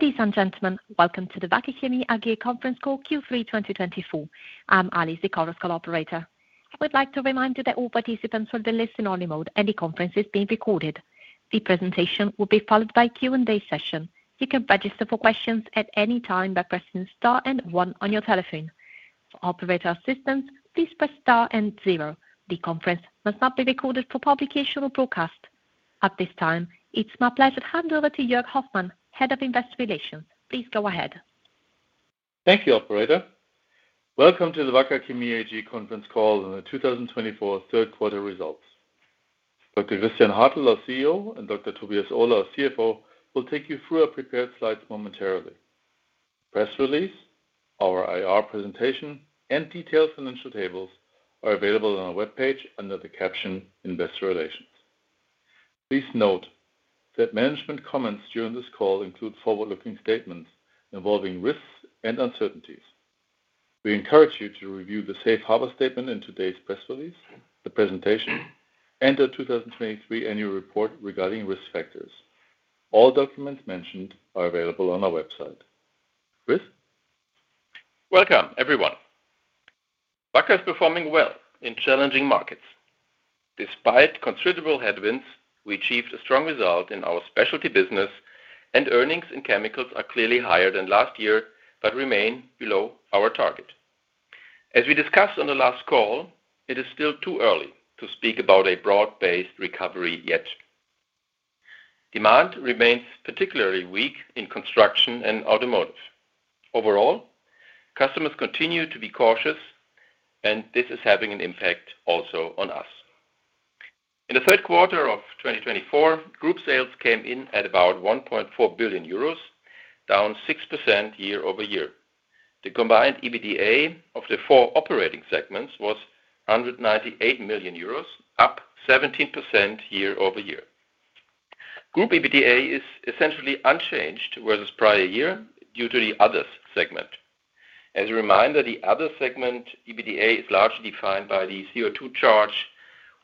Ladies and gentlemen, welcome to the Wacker Chemie AG conference call, Q3 2024. I'm Alice, the conference call operator. We'd like to remind you that all participants will be in listen-only mode, and the conference is being recorded. The presentation will be followed by a Q&A session. You can register for questions at any time by pressing star and one on your telephone. For operator assistance, please press star and zero. The conference must not be recorded for publication or broadcast. At this time, it's my pleasure to hand over to Jörg Hoffmann, Head of Investor Relations. Please go ahead. Thank you, operator. Welcome to the Wacker Chemie AG conference call on the 2024 third quarter results. Dr. Christian Hartel, our CEO, and Dr. Tobias Ohler, our CFO, will take you through our prepared slides momentarily. Press release, our IR presentation, and detailed financial tables are available on our webpage under the caption Investor Relations. Please note that management comments during this call include forward-looking statements involving risks and uncertainties. We encourage you to review the safe harbor statement in today's press release, the presentation, and the 2023 annual report regarding risk factors. All documents mentioned are available on our website. Chris? Welcome, everyone. Wacker is performing well in challenging markets. Despite considerable headwinds, we achieved a strong result in our specialty business, and earnings in chemicals are clearly higher than last year, but remain below our target. As we discussed on the last call, it is still too early to speak about a broad-based recovery yet. Demand remains particularly weak in construction and automotive. Overall, customers continue to be cautious, and this is having an impact also on us. In the third quarter of 2024, group sales came in at about 1.4 billion euros, down 6% year over year. The combined EBITDA of the four operating segments was 198 million euros, up 17% year over year. Group EBITDA is essentially unchanged versus prior year due to the others segment. As a reminder, the other segment, EBITDA, is largely defined by the CO2 charge,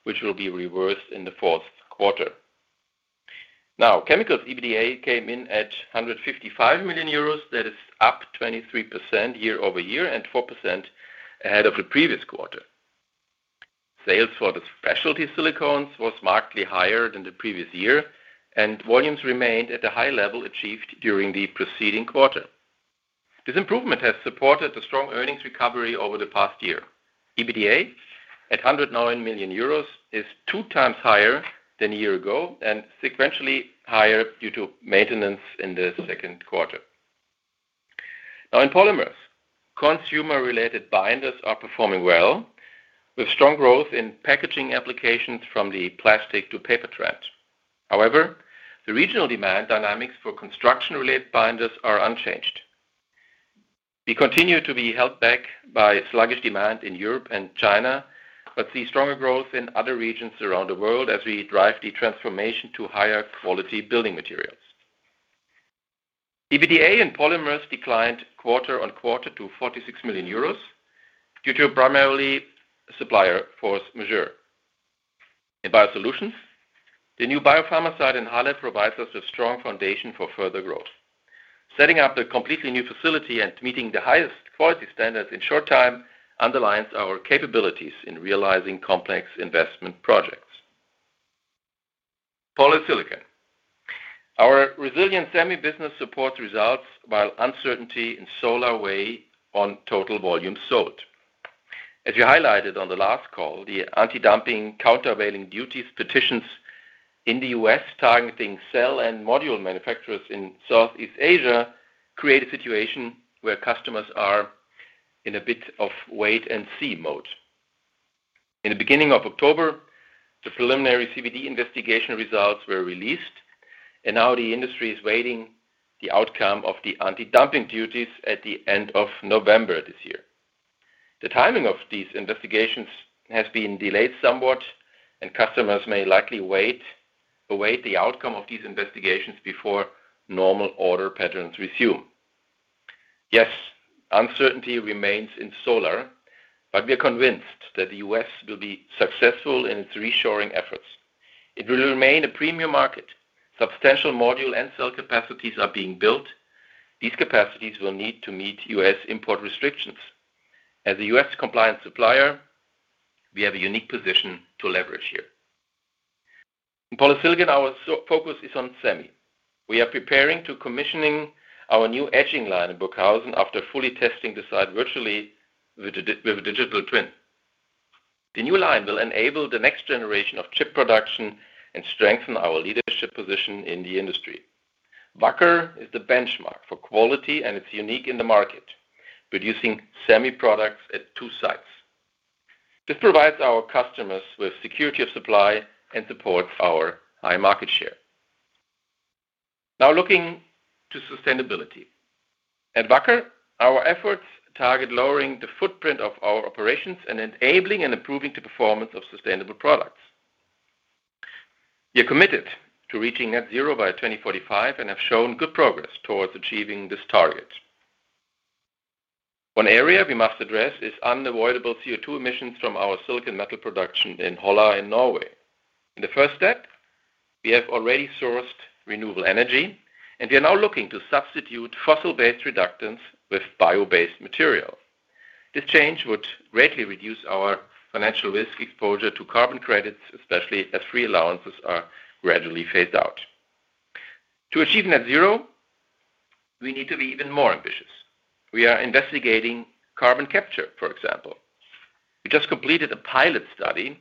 which will be reversed in the fourth quarter. Now, chemicals EBITDA came in at 155 million euros. That is up 23% year over year and 4% ahead of the previous quarter. Sales for the specialty silicones was markedly higher than the previous year, and volumes remained at a high level achieved during the preceding quarter. This improvement has supported a strong earnings recovery over the past year. EBITDA, at 109 million euros, is two times higher than a year ago and sequentially higher due to maintenance in the second quarter. Now, in polymers, consumer-related binders are performing well, with strong growth in packaging applications from the plastic to paper trend. However, the regional demand dynamics for construction-related binders are unchanged. We continue to be held back by sluggish demand in Europe and China, but see stronger growth in other regions around the world as we drive the transformation to higher quality building materials. EBITDA in polymers declined quarter on quarter to 46 million euros due to primarily supplier force majeure. In biosolutions, the new biopharmaceutical in Halle provides us with strong foundation for further growth. Setting up the completely new facility and meeting the highest quality standards in short time underlines our capabilities in realizing complex investment projects. Polysilicon. Our resilient semi business supports results, while uncertainty in solar weigh on total volume sold. As you highlighted on the last call, the anti-dumping countervailing duties petitions in the U.S. targeting cell and module manufacturers in Southeast Asia create a situation where customers are in a bit of wait and see mode. In the beginning of October, the preliminary CVD investigation results were released, and now the industry is waiting for the outcome of the anti-dumping duties at the end of November this year. The timing of these investigations has been delayed somewhat, and customers may likely await the outcome of these investigations before normal order patterns resume. Yes, uncertainty remains in solar, but we are convinced that the U.S. will be successful in its reshoring efforts. It will remain a premium market. Substantial module and cell capacities are being built. These capacities will need to meet U.S. import restrictions. As a U.S. compliance supplier, we have a unique position to leverage here. In polysilicon, our focus is on semi. We are preparing to commission our new etching line in Burghausen after fully testing the site virtually with a digital twin. The new line will enable the next generation of chip production and strengthen our leadership position in the industry. Wacker is the benchmark for quality, and it's unique in the market, producing semi products at two sites. This provides our customers with security of supply and supports our high market share. Now looking to sustainability. At Wacker, our efforts target lowering the footprint of our operations and enabling and improving the performance of sustainable products. We are committed to reaching Net Zero by 2045 and have shown good progress towards achieving this target. One area we must address is unavoidable CO2 emissions from our silicon metal production in Holla, in Norway. In the first step, we have already sourced renewable energy, and we are now looking to substitute fossil-based reductants with bio-based material. This change would greatly reduce our financial risk exposure to carbon credits, especially as free allowances are gradually phased out. To achieve net zero, we need to be even more ambitious. We are investigating carbon capture, for example. We just completed a pilot study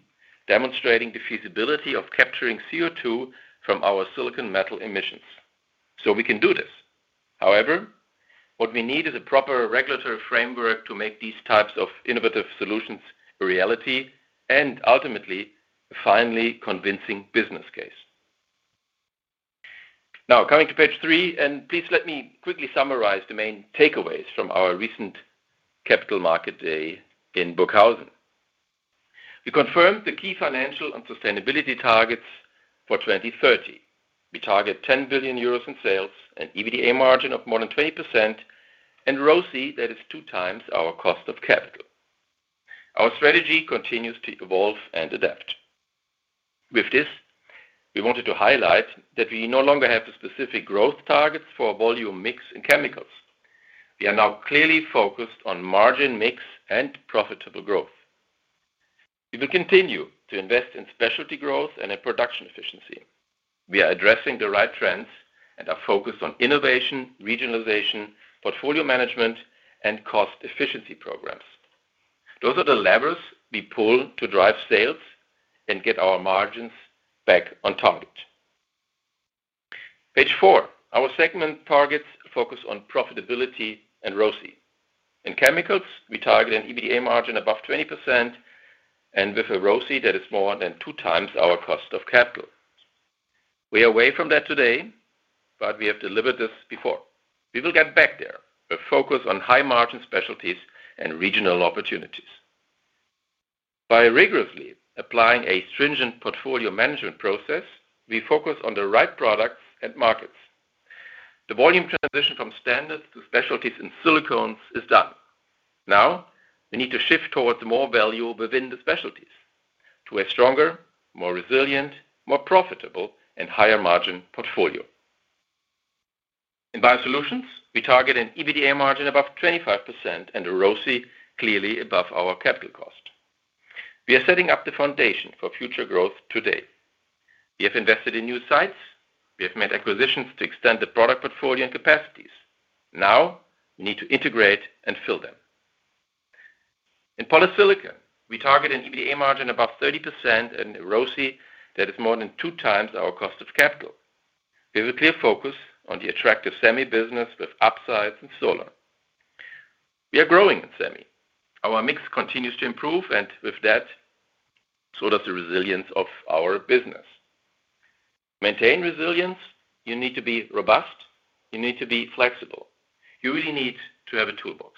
demonstrating the feasibility of capturing CO2 from our silicon metal emissions. So we can do this. However, what we need is a proper regulatory framework to make these types of innovative solutions a reality and ultimately, a finally convincing business case. Now, coming to page three, and please let me quickly summarize the main takeaways from our recent Capital Market Day in Burghausen. We confirmed the key financial and sustainability targets for 2030. We target 10 billion euros in sales, an EBITDA margin of more than 20%, and ROCE, that is two times our cost of capital. Our strategy continues to evolve and adapt. With this, we wanted to highlight that we no longer have the specific growth targets for volume mix and chemicals. We are now clearly focused on margin mix and profitable growth. We will continue to invest in specialty growth and in production efficiency. We are addressing the right trends and are focused on innovation, regionalization, portfolio management, and cost efficiency programs. Those are the levers we pull to drive sales and get our margins back on target. Page four, our segment targets focus on profitability and ROCE. In chemicals, we target an EBITDA margin above 20% and with a ROCE that is more than two times our cost of capital. We are away from that today, but we have delivered this before. We will get back there, but focus on high-margin specialties and regional opportunities. By rigorously applying a stringent portfolio management process, we focus on the right products and markets. The volume transition from standards to specialties in silicones is done. Now, we need to shift towards more value within the specialties to a stronger, more resilient, more profitable, and higher-margin portfolio. In Biosolutions, we target an EBITDA margin above 25% and a ROCE clearly above our capital cost. We are setting up the foundation for future growth today. We have invested in new sites. We have made acquisitions to extend the product portfolio and capacities. Now, we need to integrate and fill them. In Polysilicon, we target an EBITDA margin above 30% and a ROCE that is more than two times our cost of capital. We have a clear focus on the attractive semi business with upsides and solar. We are growing in semi. Our mix continues to improve, and with that, so does the resilience of our business. Maintain resilience, you need to be robust, you need to be flexible. You really need to have a toolbox.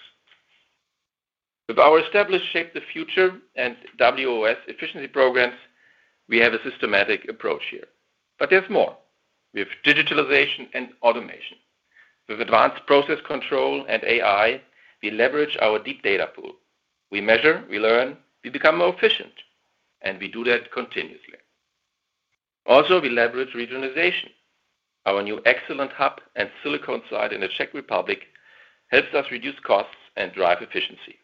With our established Shape the Future and WOS efficiency programs, we have a systematic approach here. But there's more. We have digitalization and automation. With advanced process control and AI, we leverage our deep data pool. We measure, we learn, we become more efficient, and we do that continuously. Also, we leverage regionalization. Our new excellence hub and silicone site in the Czech Republic helps us reduce costs and drive efficiency.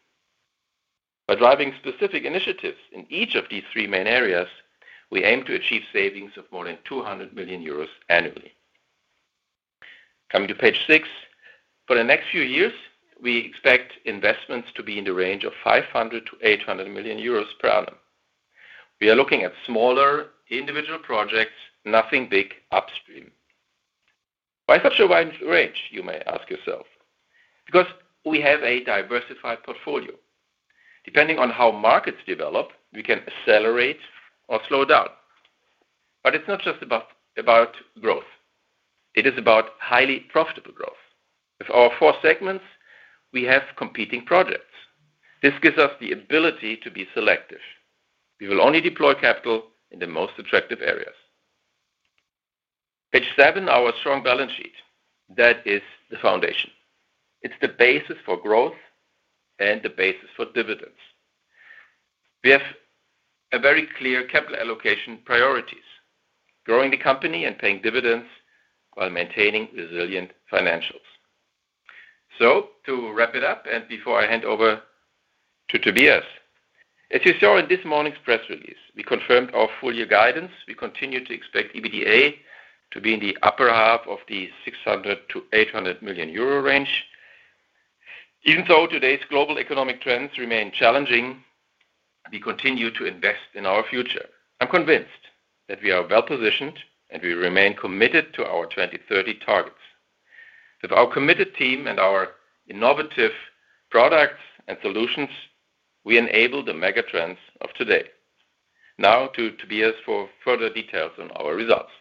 By driving specific initiatives in each of these three main areas, we aim to achieve savings of more than 200 million euros annually. Coming to page six. For the next few years, we expect investments to be in the range of 500-800 million euros per annum. We are looking at smaller individual projects, nothing big upstream. Why such a wide range, you may ask yourself? Because we have a diversified portfolio. Depending on how markets develop, we can accelerate or slow down. But it's not just about growth. It is about highly profitable growth. With our four segments, we have competing projects. This gives us the ability to be selective. We will only deploy capital in the most attractive areas. Page 7, our strong balance sheet. That is the foundation. It's the basis for growth and the basis for dividends. We have a very clear capital allocation priorities, growing the company and paying dividends while maintaining resilient financials. So to wrap it up, and before I hand over to Tobias, as you saw in this morning's press release, we confirmed our full year guidance. We continue to expect EBITDA to be in the upper half of the 600-800 million euro range. Even so, today's global economic trends remain challenging. We continue to invest in our future. I'm convinced that we are well-positioned, and we remain committed to our 2030 targets. With our committed team and our innovative products and solutions, we enable the mega trends of today. Now to Tobias for further details on our results.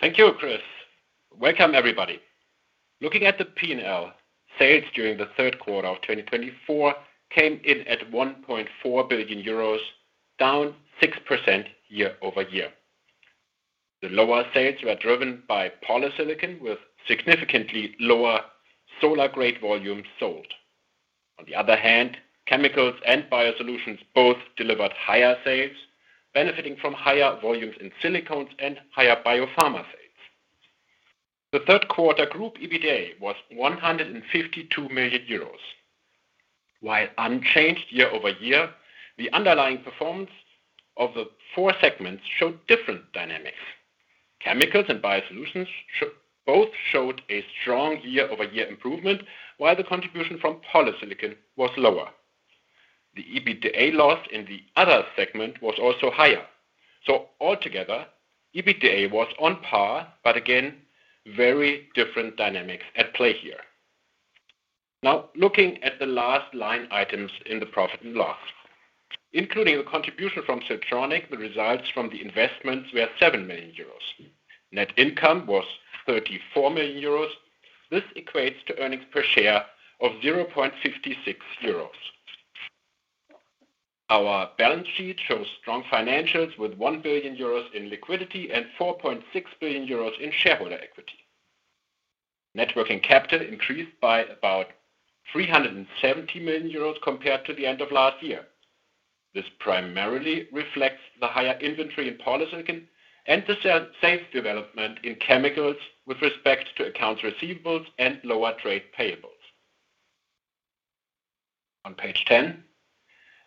Thank you, Chris. Welcome, everybody. Looking at the P&L, sales during the third quarter of 2024 came in at 1.4 billion euros, down 6% year over year. The lower sales were driven by polysilicon, with significantly lower solar-grade volumes sold. On the other hand, chemicals and biosolutions both delivered higher sales, benefiting from higher volumes in silicones and higher biopharma sales. The third quarter group EBITDA was 152 million euros. While unchanged year-over-year, the underlying performance of the four segments showed different dynamics. Chemicals and biosolutions both showed a strong year-over-year improvement, while the contribution from polysilicon was lower. The EBITDA loss in the other segment was also higher. So altogether, EBITDA was on par, but again, very different dynamics at play here. Now, looking at the last line items in the profit and loss. Including the contribution from Siltronic, the results from the investments were 7 million euros. Net income was 34 million euros. This equates to earnings per share of 0.56 euros. Our balance sheet shows strong financials, with 1 billion euros in liquidity and 4.6 billion euros in shareholder equity. Net working capital increased by about 370 million euros compared to the end of last year. This primarily reflects the higher inventory in polysilicon and the sales development in chemicals with respect to accounts receivables and lower trade payables. On page 10.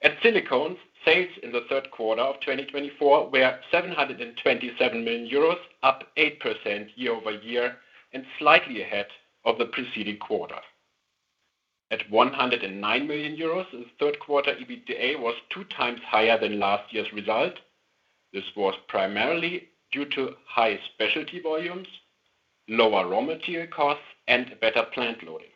At Silicones, sales in the third quarter of 2024 were 727 million euros, up 8% year-over-year, and slightly ahead of the preceding quarter. At 109 million euros, the third quarter EBITDA was two times higher than last year's result. This was primarily due to high specialty volumes, lower raw material costs, and better plant loading.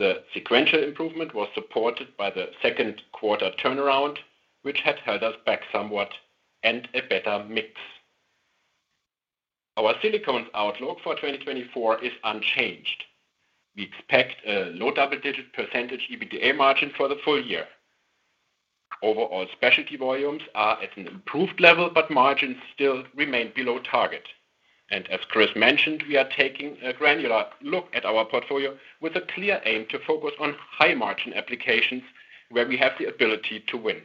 T he sequential improvement was supported by the second quarter turnaround, which had held us back somewhat, and a better mix. Our silicones outlook for 2024 is unchanged. We expect a low double-digit % EBITDA margin for the full year. Overall, specialty volumes are at an improved level, but margins still remain below target, and as Chris mentioned, we are taking a granular look at our portfolio with a clear aim to focus on high-margin applications where we have the ability to win.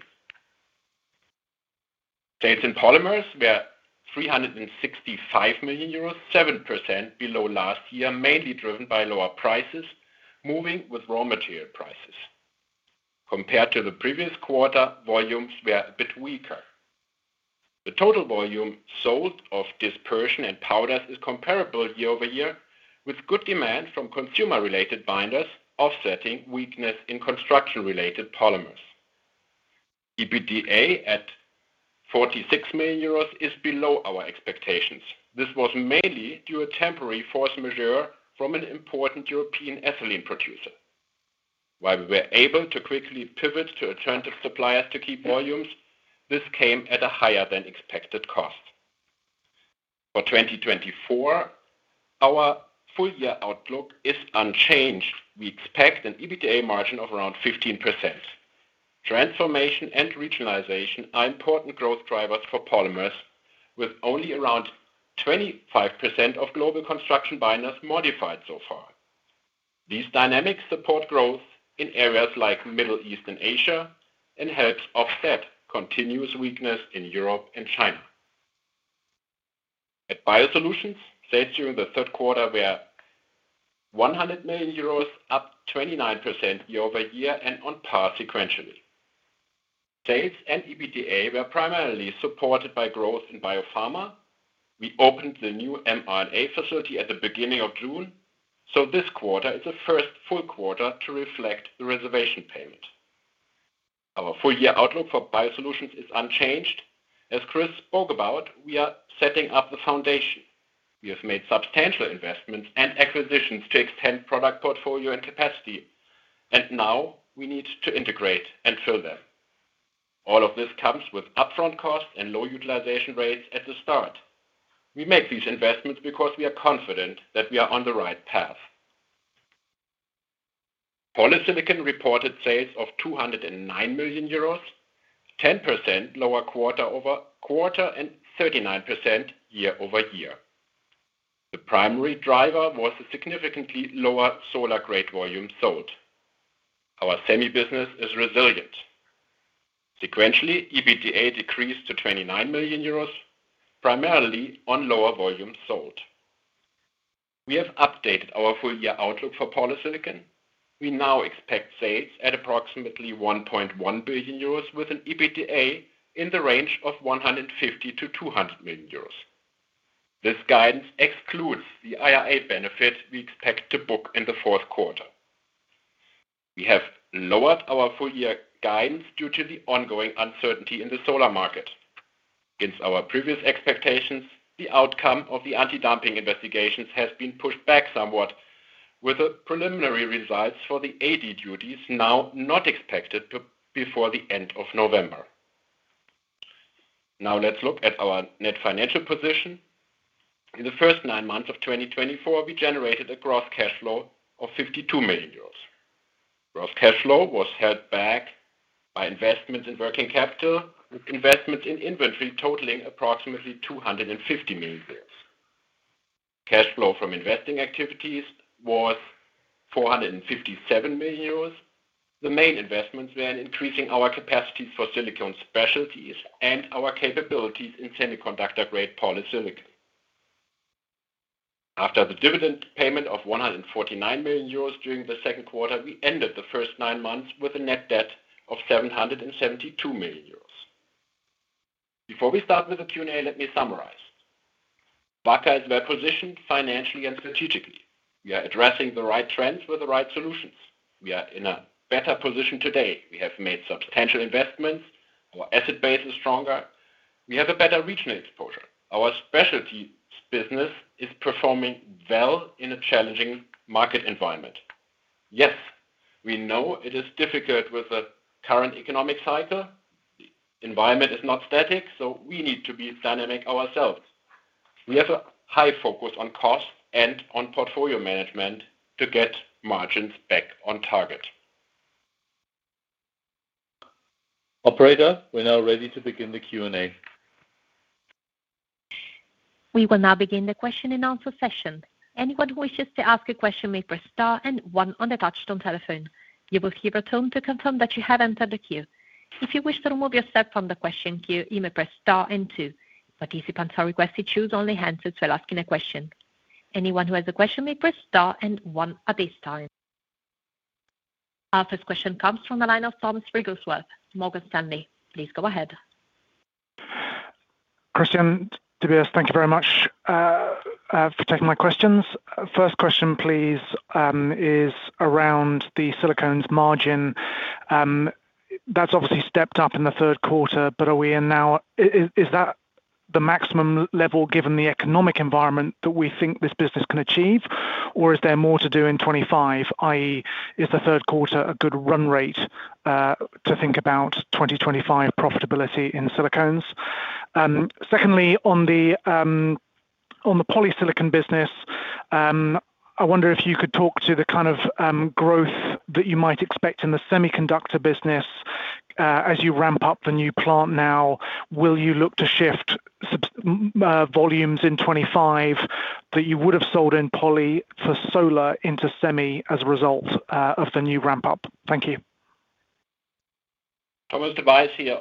Sales in polymers were 365 million euros, 7% below last year, mainly driven by lower prices, moving with raw material prices. Compared to the previous quarter, volumes were a bit weaker. The total volume sold of dispersions and powders is comparable year-over-year, with good demand from consumer-related binders offsetting weakness in construction-related polymers. EBITDA at 46 million euros is below our expectations. This was mainly due to temporary force majeure from an important European ethylene producer. While we were able to quickly pivot to alternative suppliers to keep volumes, this came at a higher than expected cost. For 2024, our full year outlook is unchanged. We expect an EBITDA margin of around 15%. Transformation and regionalization are important growth drivers for polymers, with only around 25% of global construction binders modified so far. These dynamics support growth in areas like Middle East and Asia, and helps offset continuous weakness in Europe and China. At Biosolutions, sales during the third quarter were 100 million euros, up 29% year-over-year and on par sequentially. Sales and EBITDA were primarily supported by growth in biopharma. We opened the new mRNA facility at the beginning of June, so this quarter is the first full quarter to reflect the reservation payment. Our full year outlook for biosolutions is unchanged. As Chris spoke about, we are setting up the foundation. We have made substantial investments and acquisitions to extend product portfolio and capacity, and now we need to integrate and fill them. All of this comes with upfront costs and low utilization rates at the start. We make these investments because we are confident that we are on the right path. Polysilicon reported sales of 209 million euros, 10% lower quarter over quarter, and 39% year-over-year. The primary driver was a significantly lower solar-grade volume sold. Our semi business is resilient. Sequentially, EBITDA decreased to 29 million euros, primarily on lower volumes sold. We have updated our full-year outlook for polysilicon. We now expect sales at approximately 1.1 billion euros, with an EBITDA in the range of 150-200 million euros. This guidance excludes the IRA benefit we expect to book in the fourth quarter. We have lowered our full-year guidance due to the ongoing uncertainty in the solar market. Against our previous expectations, the outcome of the anti-dumping investigations has been pushed back somewhat, with the preliminary results for the AD duties now not expected to before the end of November. Now, let's look at our net financial position. In the first nine months of 2024, we generated a gross cash flow of 52 million euros. Gross cash flow was held back by investments in working capital, with investments in inventory totaling approximately 250 million. Cash flow from investing activities was 457 million euros. The main investments were in increasing our capacity for silicone specialties and our capabilities in semiconductor-grade polysilicon. After the dividend payment of 149 million euros during the second quarter, we ended the first nine months with a net debt of 772 million euros. Before we start with the Q&A, let me summarize. Wacker is well-positioned financially and strategically. We are addressing the right trends with the right solutions. We are in a better position today. We have made substantial investments. Our asset base is stronger. We have a better regional exposure. Our specialties business is performing well in a challenging market environment. Yes, we know it is difficult with the current economic cycle. Environment is not static, so we need to be dynamic ourselves. We have a high focus on cost and on portfolio management to get margins back on target. Operator, we're now ready to begin the Q&A. We will now begin the question and answer session. Anyone who wishes to ask a question may press star and one on the touchtone telephone. You will hear a tone to confirm that you have entered the queue. If you wish to remove yourself from the question queue, you may press star and two. Participants are requested to choose only answers while asking a question. Anyone who has a question may press star and one at this time. Our first question comes from the line of Thomas Wrigglesworth, Morgan Stanley. Please go ahead. Christian, Tobias, thank you very much for taking my questions. First question, please, is around the silicones margin. That's obviously stepped up in the third quarter, but are we in now? Is that the maximum level, given the economic environment, that we think this business can achieve? Or is there more to do in 2025, i.e., is the third quarter a good run rate to think about 2025 profitability in silicones? Secondly, on the polysilicon business, I wonder if you could talk to the kind of growth that you might expect in the semiconductor business as you ramp up the new plant now. Will you look to shift some volumes in 2025 that you would have sold in poly for solar into semi as a result of the new ramp-up? Thank you. Thomas, Tobias here.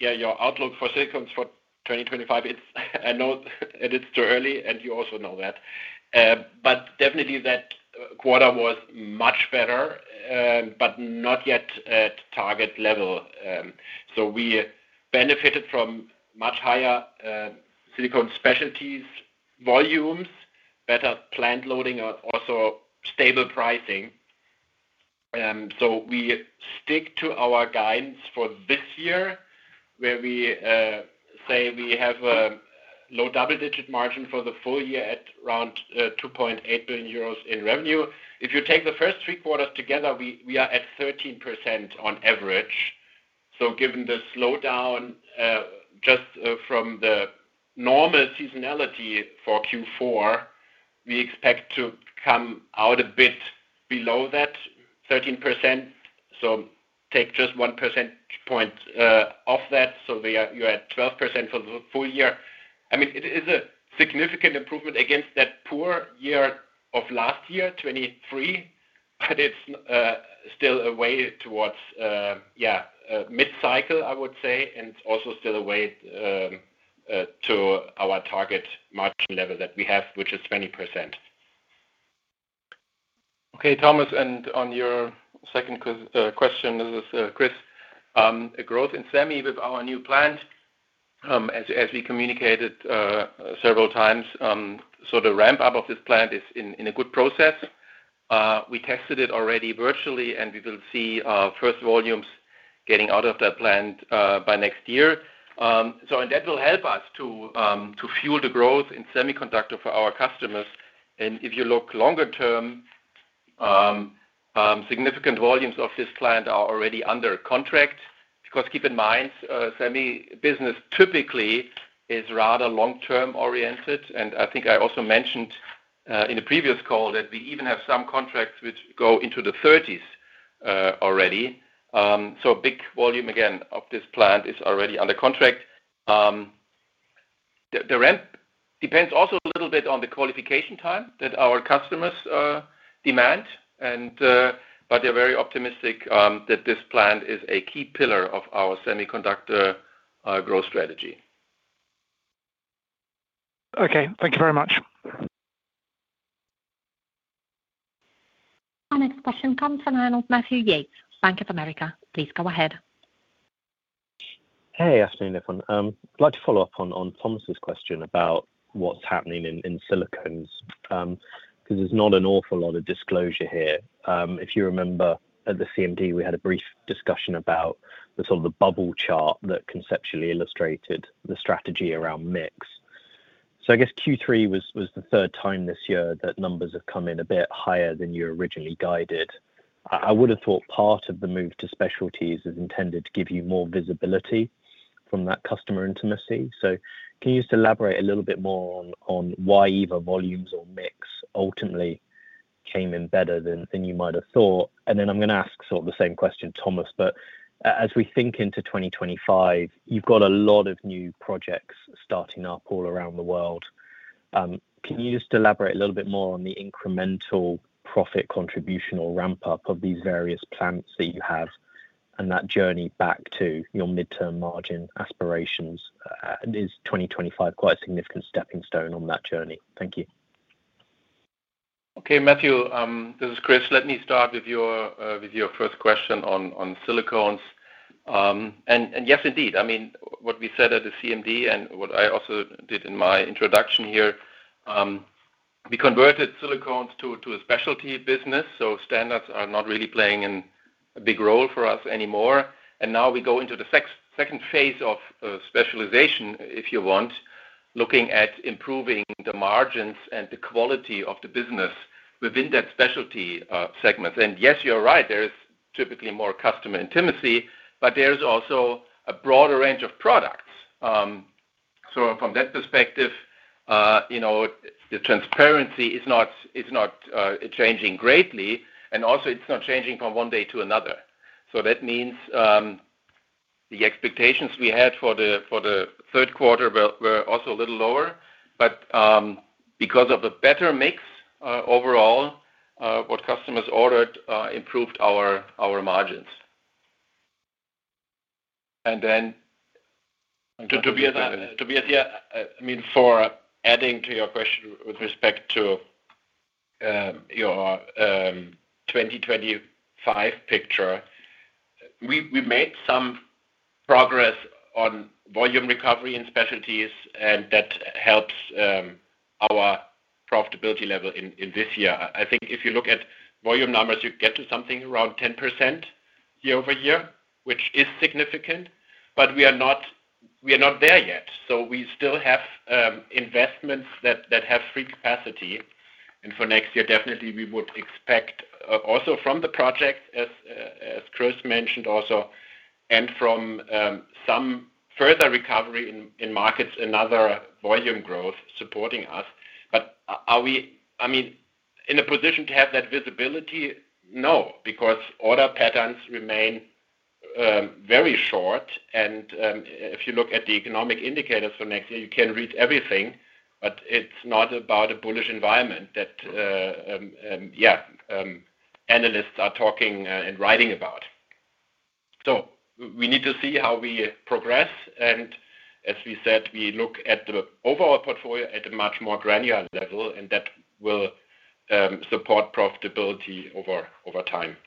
Your outlook for silicones for 2025, it's. I know it is too early, and you also know that. But definitely that quarter was much better, but not yet at target level. So we benefited from much higher, silicone specialties, volumes, better plant loading, and also stable pricing. So we stick to our guidance for this year, where we say we have a low double-digit margin for the full year at around, 2.8 billion euros in revenue. If you take the first three quarters together, we are at 13% on average. So given the slowdown, just, from the normal seasonality for Q4, we expect to come out a bit below that 13%. So take just one percentage point off that, so we are, you're at 12% for the full year. I mean, it is a significant improvement against that poor year of last year, 2023, but it's still a way towards yeah mid-cycle, I would say, and it's also still a way to our target margin level that we have, which is 20%. Okay, Thomas, and on your second question, this is Chris. A growth in semi with our new plant, as we communicated several times, so the ramp-up of this plant is in a good process. We tested it already virtually, and we will see first volumes getting out of that plant by next year. So and that will help us to fuel the growth in semiconductor for our customers. And if you look longer term, significant volumes of this plant are already under contract, because keep in mind, semi business typically is rather long-term oriented. And I think I also mentioned in a previous call that we even have some contracts which go into the thirties already. So a big volume, again, of this plant is already under contract. The ramp depends also a little bit on the qualification time that our customers demand and but they're very optimistic that this plant is a key pillar of our semiconductor growth strategy. Okay, thank you very much. Our next question comes from Matthew Yates, Bank of America. Please go ahead. Hey, afternoon, everyone. I'd like to follow up on Thomas's question about what's happening in silicones, because there's not an awful lot of disclosure here. If you remember, at the CMD, we had a brief discussion about the sort of bubble chart that conceptually illustrated the strategy around mix. So I guess Q3 was the third time this year that numbers have come in a bit higher than you originally guided. I would have thought part of the move to specialties is intended to give you more visibility from that customer intimacy. So can you just elaborate a little bit more on why either volumes or mix ultimately came in better than you might have thought? And then I'm gonna ask sort of the same question, Thomas, but as we think into 2025, you've got a lot of new projects starting up all around the world. Can you just elaborate a little bit more on the incremental profit contribution or ramp-up of these various plants that you have, and that journey back to your midterm margin aspirations? Is 2025 quite a significant stepping stone on that journey? Thank you. Okay, Matthew, this is Chris. Let me start with your, with your first question on silicones. And yes, indeed, I mean, what we said at the CMD and what I also did in my introduction here, we converted silicones to a specialty business, so standards are not really playing a big role for us anymore. And now we go into the second phase of specialization, if you want, looking at improving the margins and the quality of the business within that specialty segment. And yes, you're right, there is typically more customer intimacy, but there's also a broader range of products. So from that perspective, you know, the transparency is not changing greatly, and also it's not changing from one day to another. So that means, the expectations we had for the third quarter were also a little lower, but because of the better mix, overall, what customers ordered improved our margins. And then, to be here, I mean, in addition to your question with respect to your 2025 picture, we made some progress on volume recovery in specialties, and that helps our profitability level in this year. I think if you look at volume numbers, you get to something around 10% year over year, which is significant, but we are not there yet. So we still have investments that have free capacity. And for next year, definitely we would expect also from the project, as Chris mentioned also, and from some further recovery in markets and other volume growth supporting us. But are we, I mean, in a position to have that visibility? No, because order patterns remain very short and if you look at the economic indicators for next year, you can read everything, but it's not about a bullish environment that analysts are talking and writing about. So we need to see how we progress, and as we said, we look at the overall portfolio at a much more granular level, and that will support profitability over time.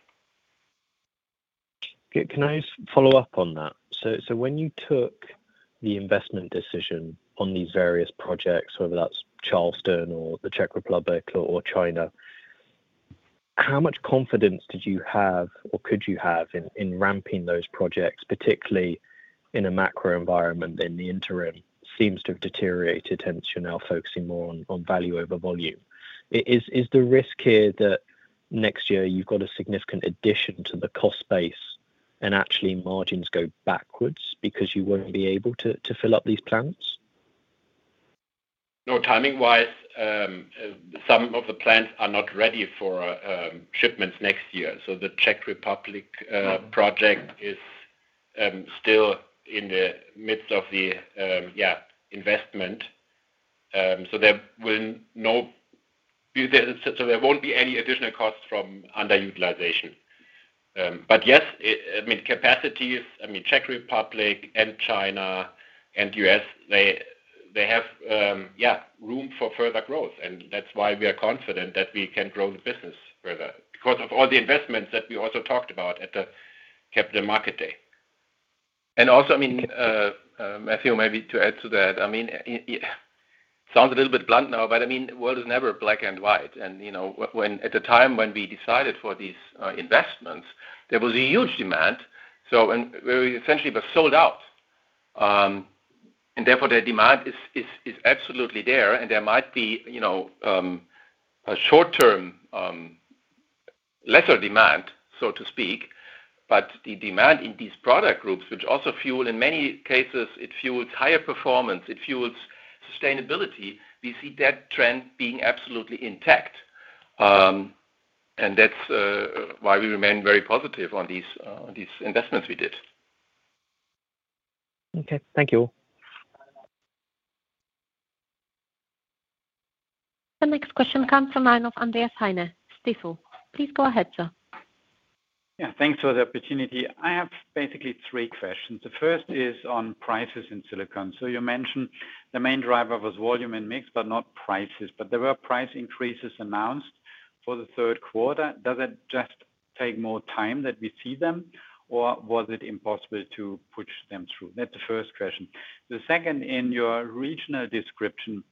Okay. Can I just follow up on that? So when you took the investment decision on these various projects, whether that's Charleston or the Czech Republic or China, how much confidence did you have or could you have in ramping those projects, particularly in a macro environment in the interim, seems to have deteriorated, and you're now focusing more on value over volume. Is the risk here that next year you've got a significant addition to the cost base and actually margins go backwards because you won't be able to fill up these plants? No, timing-wise, some of the plants are not ready for shipments next year. So the Czech Republic project is still in the midst of the investment. So there won't be any additional costs from underutilization. But yes, I mean, capacities, I mean, Czech Republic and China and U.S., they have room for further growth, and that's why we are confident that we can grow the business further. Because of all the investments that we also talked about at the Capital Market Day. And also, I mean, Matthew, maybe to add to that, I mean, it sounds a little bit blunt now, but I mean, the world is never black and white. And, you know, at the time when we decided for these investments, there was a huge demand, so, and we essentially were sold out. And therefore, the demand is absolutely there, and there might be, you know, a short term lesser demand, so to speak. But the demand in these product groups, which also fuel in many cases, it fuels higher performance, it fuels sustainability. We see that trend being absolutely intact. And that's why we remain very positive on these investments we did. Okay. Thank you. The next question comes from the line of Andreas Heine, Stifel. Please go ahead, sir. Yeah, thanks for the opportunity. I have basically three questions. The first is on prices in silicon. So you mentioned the main driver was volume and mix, but not prices, but there were price increases announced for the third quarter. Does it just take more time that we see them, or was it impossible to push them through? That's the first question. The second, in your regional description,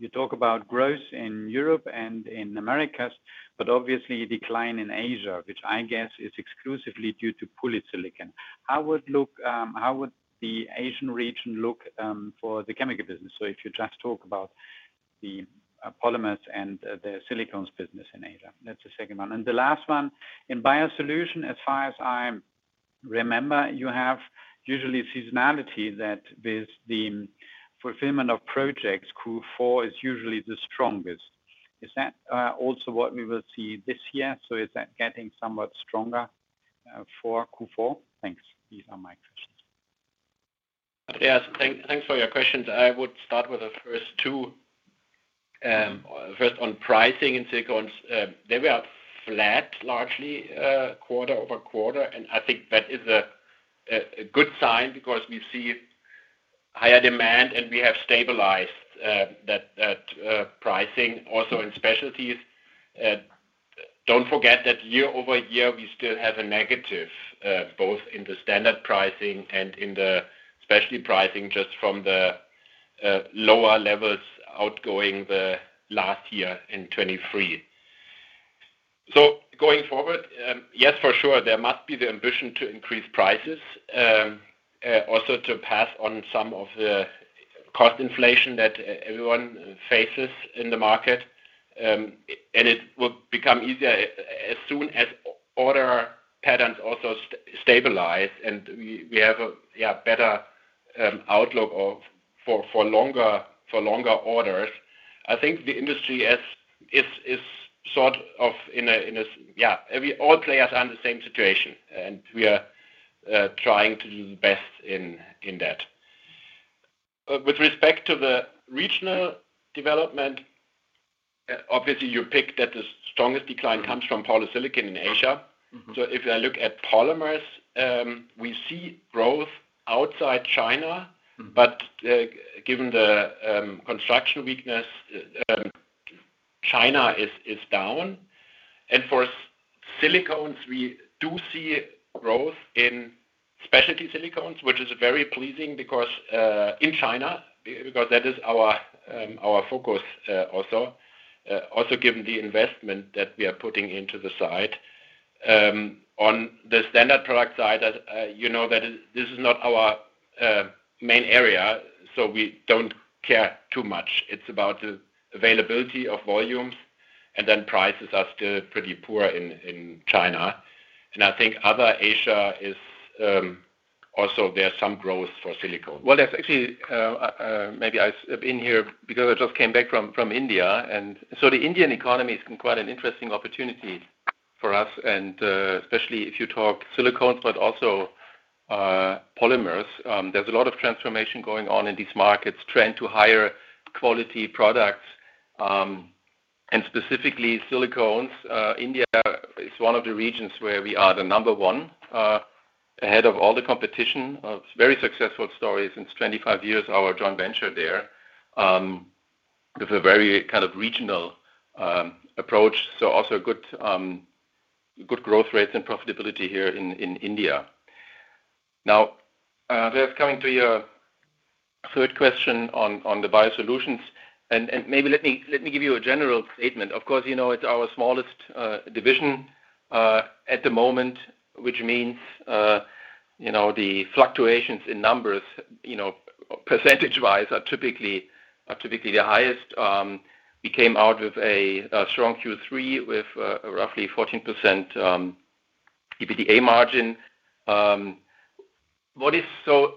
you talk about growth in Europe and in Americas, but obviously a decline in Asia, which I guess is exclusively due to polysilicon. How would the Asian region look for the chemical business? So if you just talk about the polymers and the silicones business in Asia. That's the second one. And the last one, in Biosolutions, as far as I remember, you have usually seasonality that with the fulfillment of projects, Q4 is usually the strongest. Is that also what we will see this year? So is that getting somewhat stronger for Q4? Thanks. These are my questions. Yes, thanks for your questions. I would start with the first two. First, on pricing in silicones, they were flat largely, quarter over quarter, and I think that is a good sign because we see higher demand, and we have stabilized that pricing also in specialties. Don't forget that year over year, we still have a negative both in the standard pricing and in the specialty pricing, just from the lower levels outgoing the last year in 2023. So going forward, yes, for sure, there must be the ambition to increase prices also to pass on some of the cost inflation that everyone faces in the market. And it will become easier as soon as order patterns also stabilize, and we have a better outlook for longer orders. I think the industry as it is is sort of all players are in the same situation, and we are trying to do the best in that. With respect to the regional development, obviously, you picked that the strongest decline comes from polysilicon in Asia. Mm-hmm. So if I look at polymers, we see growth outside China- Mm-hmm. -but, given the construction weakness, China is down. And for silicones, we do see growth in specialty silicones, which is very pleasing because in China, because that is our focus also. Also given the investment that we are putting into the site. On the standard product side, you know that this is not our main area, so we don't care too much. It's about the availability of volumes, and then prices are still pretty poor in China. And I think other Asia also there's some growth for silicone. Well, that's actually maybe interject here because I just came back from India, and so the Indian economy is quite an interesting opportunity for us and especially if you talk silicones, but also polymers. There's a lot of transformation going on in these markets, trend to higher quality products. And specifically silicones, India is one of the regions where we are the number one, ahead of all the competition. A very successful story since 25 years, our joint venture there, with a very kind of regional approach. So also good growth rates and profitability here in India. Now, we are coming to your third question on the Biosolutions. Maybe let me give you a general statement. Of course, you know, it's our smallest division at the moment, which means, you know, the fluctuations in numbers, you know, percentage-wise, are typically the highest. We came out with a strong Q3 with roughly 14% EBITDA margin. What is so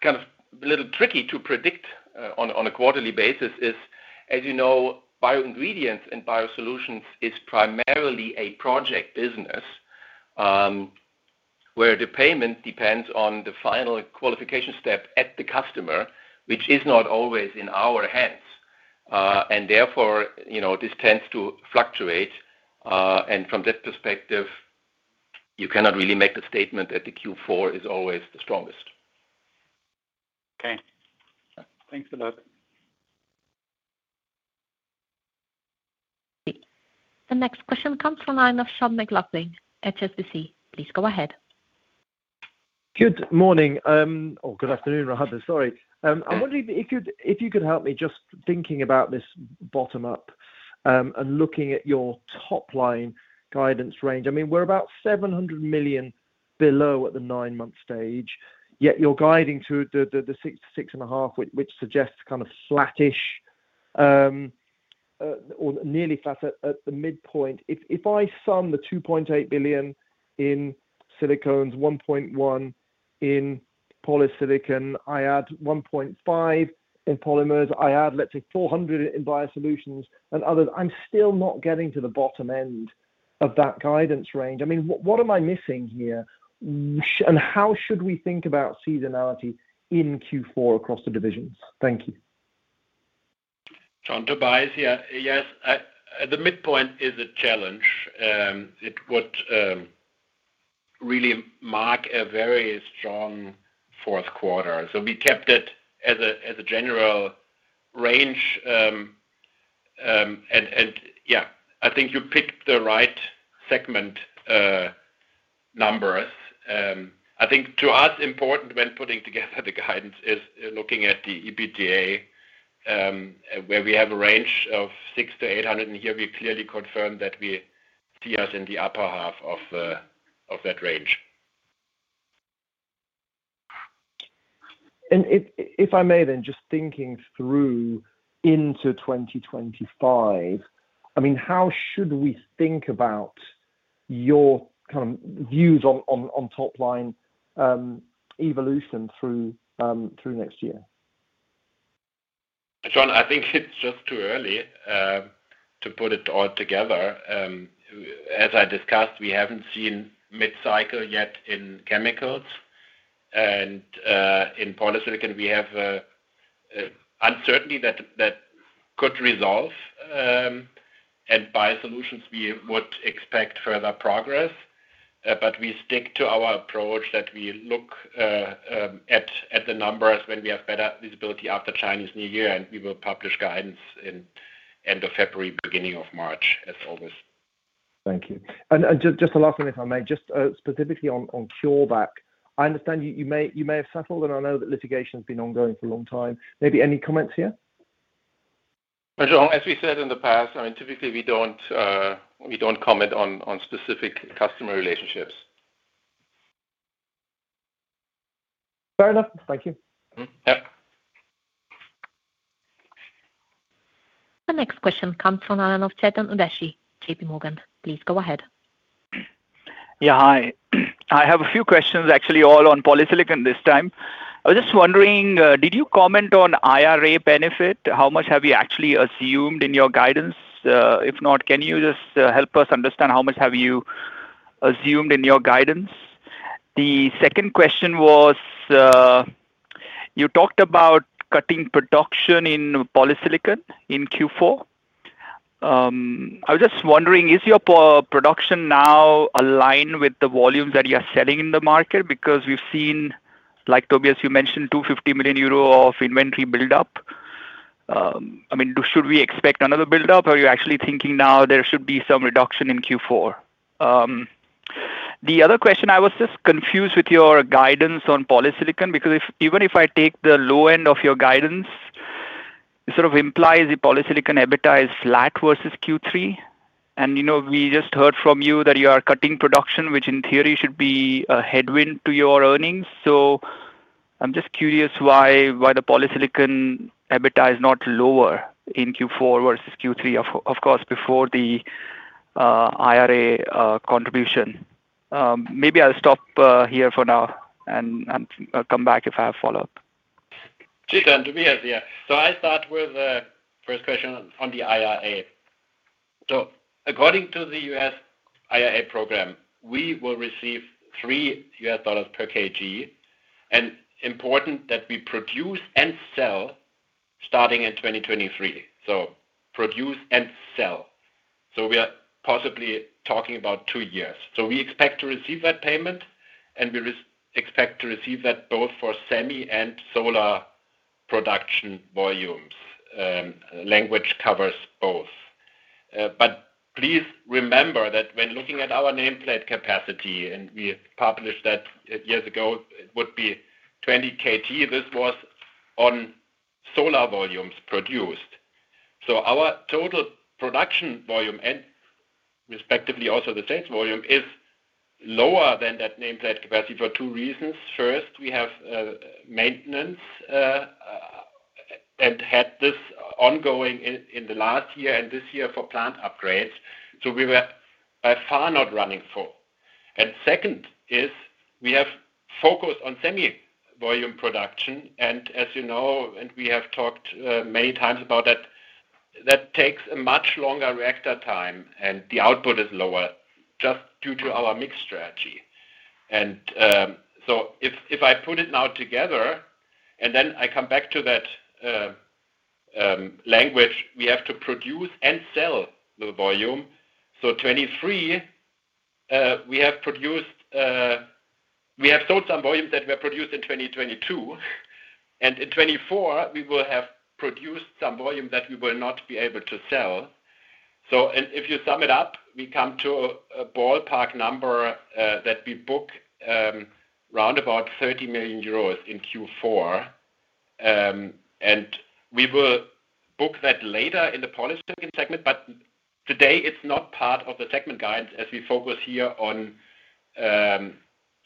kind of a little tricky to predict on a quarterly basis is, as you know, bio ingredients and biosolutions is primarily a project business, where the payment depends on the final qualification step at the customer, which is not always in our hands, and therefore, you know, this tends to fluctuate, and from that perspective, you cannot really make the statement that the Q4 is always the strongest. Okay. Thanks a lot. The next question comes from the line of Sean McLoughlin, HSBC. Please go ahead. Good morning. Or good afternoon, Hartel. Sorry. Yeah. I'm wondering if you could help me just thinking about this bottom up, and looking at your top-line guidance range. I mean, we're about 700 million below at the nine-month stage, yet you're guiding to the 6-6.5, which suggests kind of flattish or nearly flat at the midpoint. If I sum the 2.8 billion in silicones, 1.1 billion in polysilicon, I add 1.5 billion in polymers, I add, let's say, 400 million in biosolutions and others, I'm still not getting to the bottom end of that guidance range. I mean, what am I missing here? And how should we think about seasonality in Q4 across the divisions? Thank you. Sean, Tobias here. Yes, the midpoint is a challenge. It would really mark a very strong fourth quarter. So we kept it as a general range, and yeah, I think you picked the right segment numbers. I think to us, important when putting together the guidance is looking at the EBITDA, where we have a range of 600-800, and here we clearly confirm that we see us in the upper half of that range.... And if I may then, just thinking through into 2025, I mean, how should we think about your kind of views on top line evolution through next year? Sean, I think it's just too early to put it all together. As I discussed, we haven't seen mid-cycle yet in chemicals, and in polysilicon, we have an uncertainty that could resolve, and in Biosolutions, we would expect further progress, but we stick to our approach that we look at the numbers when we have better visibility after Chinese New Year, and we will publish guidance at the end of February, beginning of March, as always. Thank you. And just a last one, if I may. Just specifically on CureVac, I understand you may have settled, and I know that litigation has been ongoing for a long time. Maybe any comments here? Sean, as we said in the past, I mean, typically, we don't comment on specific customer relationships. Fair enough. Thank you. Mm-hmm. Yep. The next question comes from Chetan Udeshi, JPMorgan. Please go ahead. Yeah, hi. I have a few questions, actually, all on polysilicon this time. I was just wondering, did you comment on IRA benefit? How much have you actually assumed in your guidance? If not, can you just help us understand how much have you assumed in your guidance? The second question was, you talked about cutting production in polysilicon in Q4. I was just wondering, is your production now aligned with the volumes that you are selling in the market? Because we've seen, like, Tobias, you mentioned 250 million euro of inventory buildup. I mean, should we expect another buildup, or are you actually thinking now there should be some reduction in Q4? The other question, I was just confused with your guidance on polysilicon, because even if I take the low end of your guidance, it sort of implies the polysilicon EBITDA is flat versus Q3. And, you know, we just heard from you that you are cutting production, which in theory should be a headwind to your earnings. So I'm just curious why the polysilicon EBITDA is not lower in Q4 versus Q3, of course, before the IRA contribution. Maybe I'll stop here for now and come back if I have follow-up. Chetan, Tobias here. I start with the first question on the IRA. According to the U.S. IRA program, we will receive $3 per kg, and important that we produce and sell starting in 2023. Produce and sell. We are possibly talking about two years. We expect to receive that payment, and we expect to receive that both for semi and solar production volumes. Language covers both. But please remember that when looking at our nameplate capacity, and we published that years ago, it would be 20 KT. This was on solar volumes produced. Our total production volume and respectively, also the sales volume, is lower than that nameplate capacity for two reasons. First, we have maintenance and had this ongoing in the last year and this year for plant upgrades, so we were by far not running full. And second is we have focused on semi volume production, and as you know, and we have talked many times about that, that takes a much longer reactor time, and the output is lower just due to our mix strategy. And so if I put it now together, and then I come back to that language, we have to produce and sell the volume. So 2023, we have produced. We have sold some volumes that were produced in 2022, and in 2024, we will have produced some volume that we will not be able to sell. And if you sum it up, we come to a ballpark number that we book round about 30 million euros in Q4. And we will book that later in the polysilicon segment, but today it is not part of the segment guides as we focus here on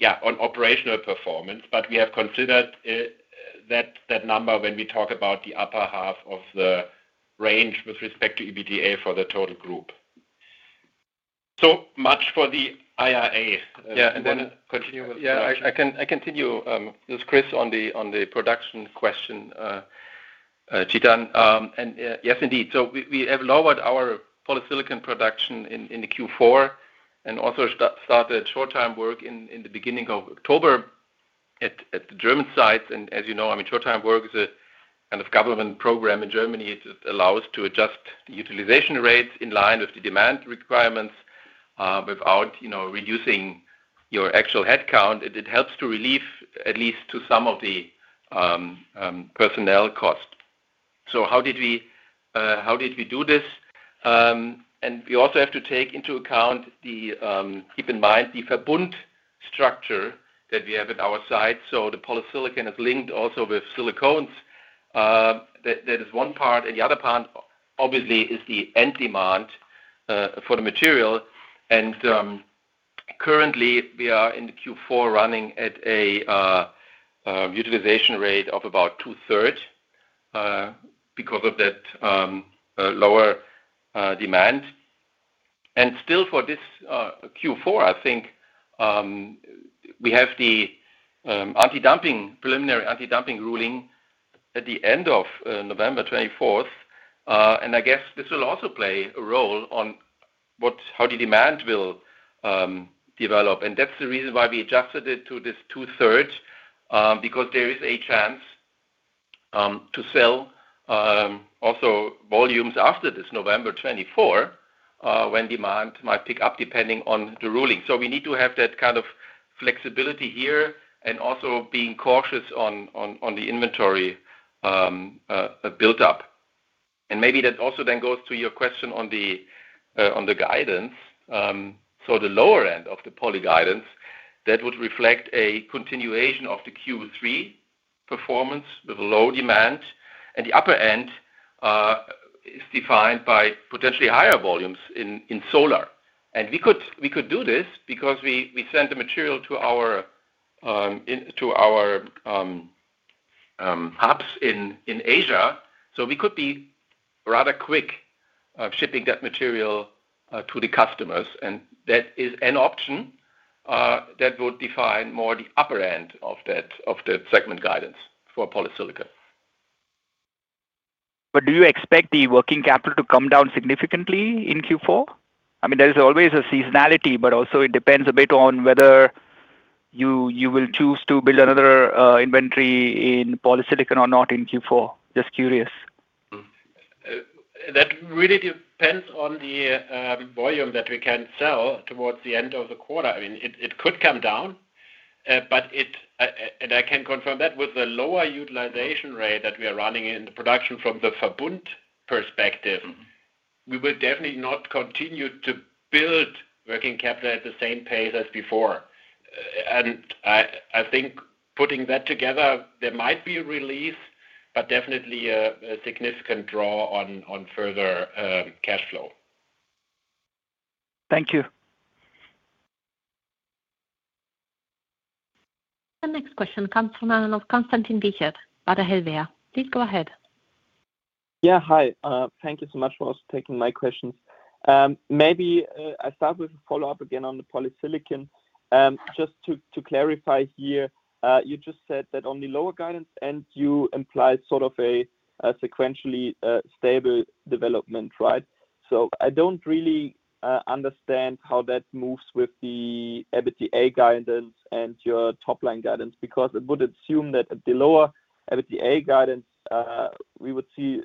operational performance. But we have considered that number when we talk about the upper half of the range with respect to EBITDA for the total group. So much for the IRA. Yeah, and then- Continue with- Yeah, I can continue with Chris on the production question, Chetan. Yes, indeed. So we have lowered our polysilicon production in the Q4 and also started short-time work in the beginning of October at the German site. As you know, I mean, short-time work is a kind of government program in Germany. It allows to adjust the utilization rates in line with the demand requirements without you know reducing your actual headcount. It helps to relieve at least some of the personnel costs. So how did we do this? We also have to keep in mind the Verbund structure that we have at our site. So the polysilicon is linked also with silicones.... that, that is one part, and the other part, obviously, is the end demand for the material. And currently, we are in the Q4 running at a utilization rate of about two-thirds because of that lower demand. And still, for this Q4, I think we have the anti-dumping preliminary anti-dumping ruling at the end of November 24th. And I guess this will also play a role on how the demand will develop. And that's the reason why we adjusted it to this two-thirds because there is a chance to sell also volumes after this November 24th when demand might pick up, depending on the ruling. So we need to have that kind of flexibility here and also being cautious on the inventory built up. And maybe that also then goes to your question on the, on the guidance. So the lower end of the poly guidance, that would reflect a continuation of the Q3 performance with low demand, and the upper end is defined by potentially higher volumes in solar. And we could do this because we send the material to our hubs in Asia, so we could be rather quick of shipping that material to the customers, and that is an option that would define more the upper end of that segment guidance for polysilicon. Do you expect the working capital to come down significantly in Q4? I mean, there is always a seasonality, but also it depends a bit on whether you will choose to build another inventory in polysilicon or not in Q4. Just curious. That really depends on the volume that we can sell towards the end of the quarter. I mean, it could come down, and I can confirm that with the lower utilization rate that we are running in the production from the Verbund perspective, we will definitely not continue to build working capital at the same pace as before, and I think putting that together, there might be a relief, but definitely a significant draw on further cash flow. Thank you. The next question comes from Konstantin Wiechert, Baader Helvea. Please go ahead. Yeah, hi. Thank you so much for also taking my questions. Maybe I'll start with a follow-up again on the polysilicon. Just to clarify here, you just said that on the lower guidance end, you imply sort of a sequentially stable development, right? So I don't really understand how that moves with the EBITDA guidance and your top-line guidance, because it would assume that at the lower EBITDA guidance, we would see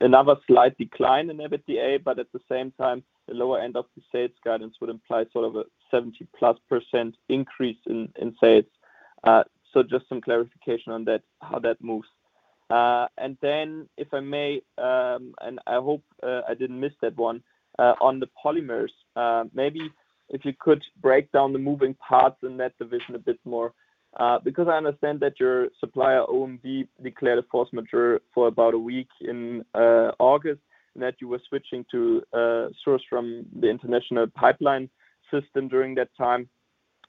another slight decline in EBITDA, but at the same time, the lower end of the sales guidance would imply sort of a 70-plus% increase in sales. So just some clarification on that, how that moves, and then if I may, and I hope I didn't miss that one, on the polymers. Maybe if you could break down the moving parts in that division a bit more, because I understand that your supplier, OMV, declared a force majeure for about a week in August, and that you were switching to source from the international pipeline system during that time.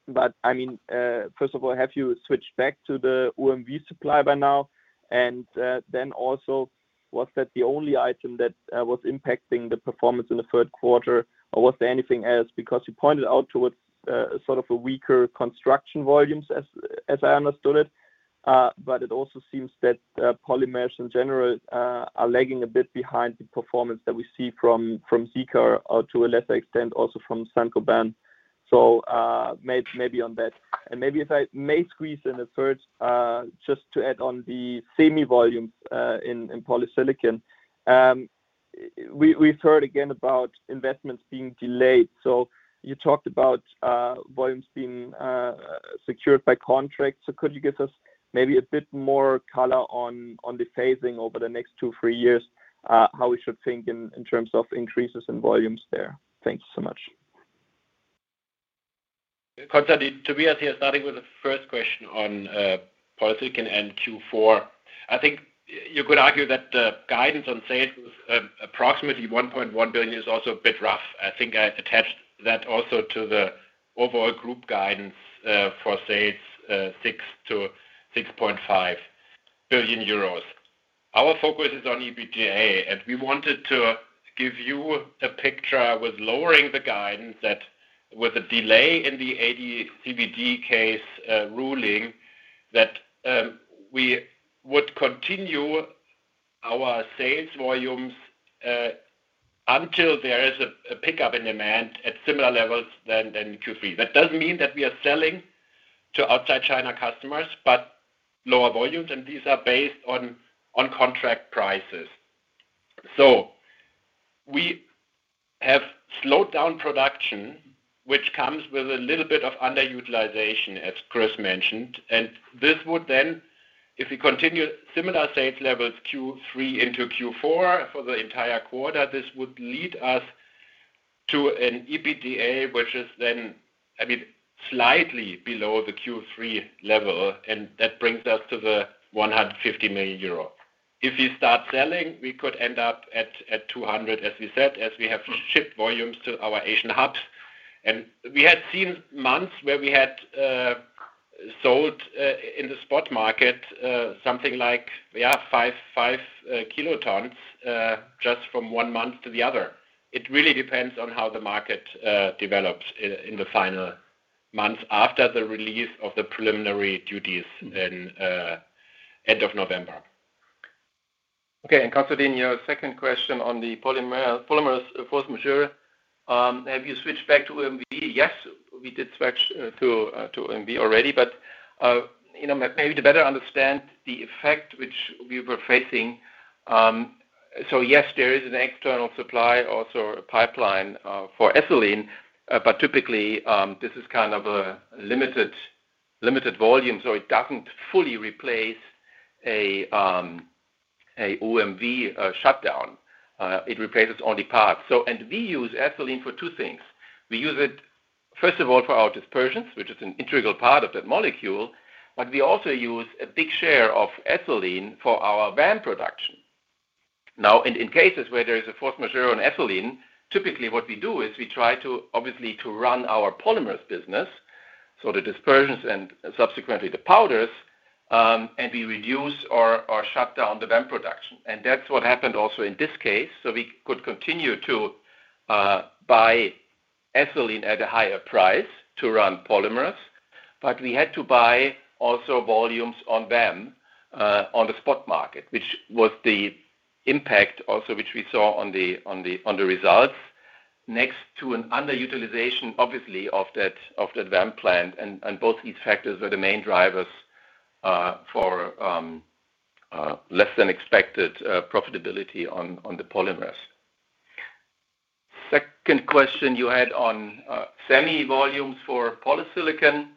But, I mean, first of all, have you switched back to the OMV supply by now? And then also, was that the only item that was impacting the performance in the third quarter, or was there anything else? Because you pointed out towards sort of a weaker construction volumes, as I understood it. But it also seems that polymers in general are lagging a bit behind the performance that we see from Sika or to a lesser extent, also from Saint-Gobain. So, maybe on that. Maybe if I may squeeze in a third, just to add on the semi volumes in polysilicon. We've heard again about investments being delayed. So you talked about volumes being secured by contract. So could you give us maybe a bit more color on the phasing over the next two, three years, how we should think in terms of increases in volumes there? Thank you so much. Konstantin, Tobias here, starting with the first question on polysilicon and Q4. I think you could argue that the guidance on sales approximately 1.1 billion is also a bit rough. I think I attached that also to the overall group guidance for sales 6-6.5 billion euros. Our focus is on EBITDA, and we wanted to give you a picture with lowering the guidance that with a delay in the AD/CVD case ruling that we would continue our sales volumes until there is a pickup in demand at similar levels than Q3. That does mean that we are selling to outside China customers, but lower volumes, and these are based on contract prices. So we have slowed down production, which comes with a little bit of underutilization, as Chris mentioned. This would then, if we continue similar sales levels Q3 into Q4 for the entire quarter, this would lead us to-... to an EBITDA, which is then, I mean, slightly below the Q3 level, and that brings us to 150 million euro. If we start selling, we could end up at 200, as we said, as we have shipped volumes to our Asian hubs. And we had seen months where we had sold in the spot market something like, yeah, 5 KT just from one month to the other. It really depends on how the market develops in the final months after the release of the preliminary duties in end of November. Okay, and Konstantin, your second question on the polymer polymers force majeure. Have you switched back to OMV? Yes, we did switch to OMV already, but you know, maybe to better understand the effect which we were facing. So yes, there is an external supply, also a pipeline, for ethylene, but typically, this is kind of a limited volume, so it doesn't fully replace a OMV shutdown. It replaces only part. So and we use ethylene for two things. We use it, first of all, for our dispersions, which is an integral part of that molecule, but we also use a big share of ethylene for our VAM production. Now, in cases where there is a force majeure on ethylene, typically what we do is we try to, obviously, to run our polymers business, so the dispersions and subsequently the powders, and we reduce or shut down the VAM production. And that's what happened also in this case. So we could continue to buy ethylene at a higher price to run polymers, but we had to buy also volumes on VAM on the spot market, which was the impact also, which we saw on the results, next to an underutilization, obviously, of that VAM plant. Both these factors are the main drivers for less than expected profitability on the polymers. Second question you had on semi volumes for polysilicon.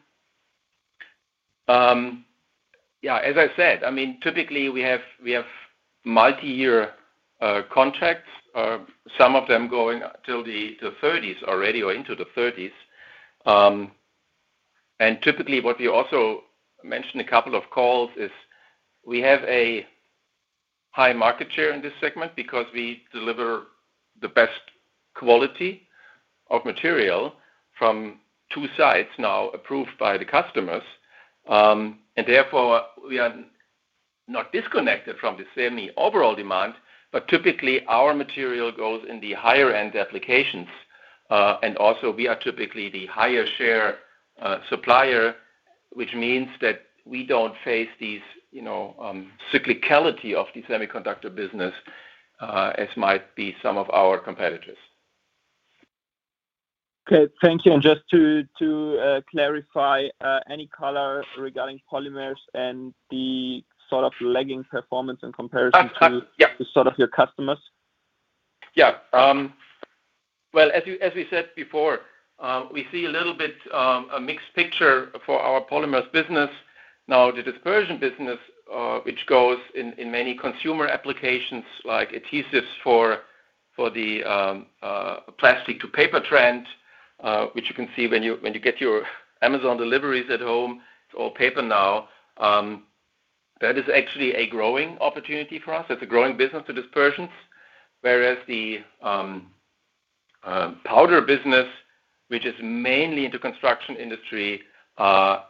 Yeah, as I said, I mean, typically we have multi-year contracts, some of them going till the thirties already or into the thirties. And typically, what we also mentioned a couple of calls is we have a high market share in this segment because we deliver the best quality of material from two sites now approved by the customers. And therefore, we are not disconnected from the semi overall demand, but typically our material goes in the higher-end applications. And also we are typically the higher share supplier, which means that we don't face these, you know, cyclicality of the semiconductor business, as might be some of our competitors. Okay, thank you. And just to clarify, any color regarding polymers and the sort of lagging performance in comparison to- Uh, yeah. to sort of your customers? Yeah. Well, as you, as we said before, we see a little bit, a mixed picture for our polymers business. Now, the dispersion business, which goes in, in many consumer applications like adhesives for, for the, plastic to paper trend, which you can see when you, when you get your Amazon deliveries at home or paper now, that is actually a growing opportunity for us. That's a growing business to dispersions. Whereas the, powder business, which is mainly into construction industry,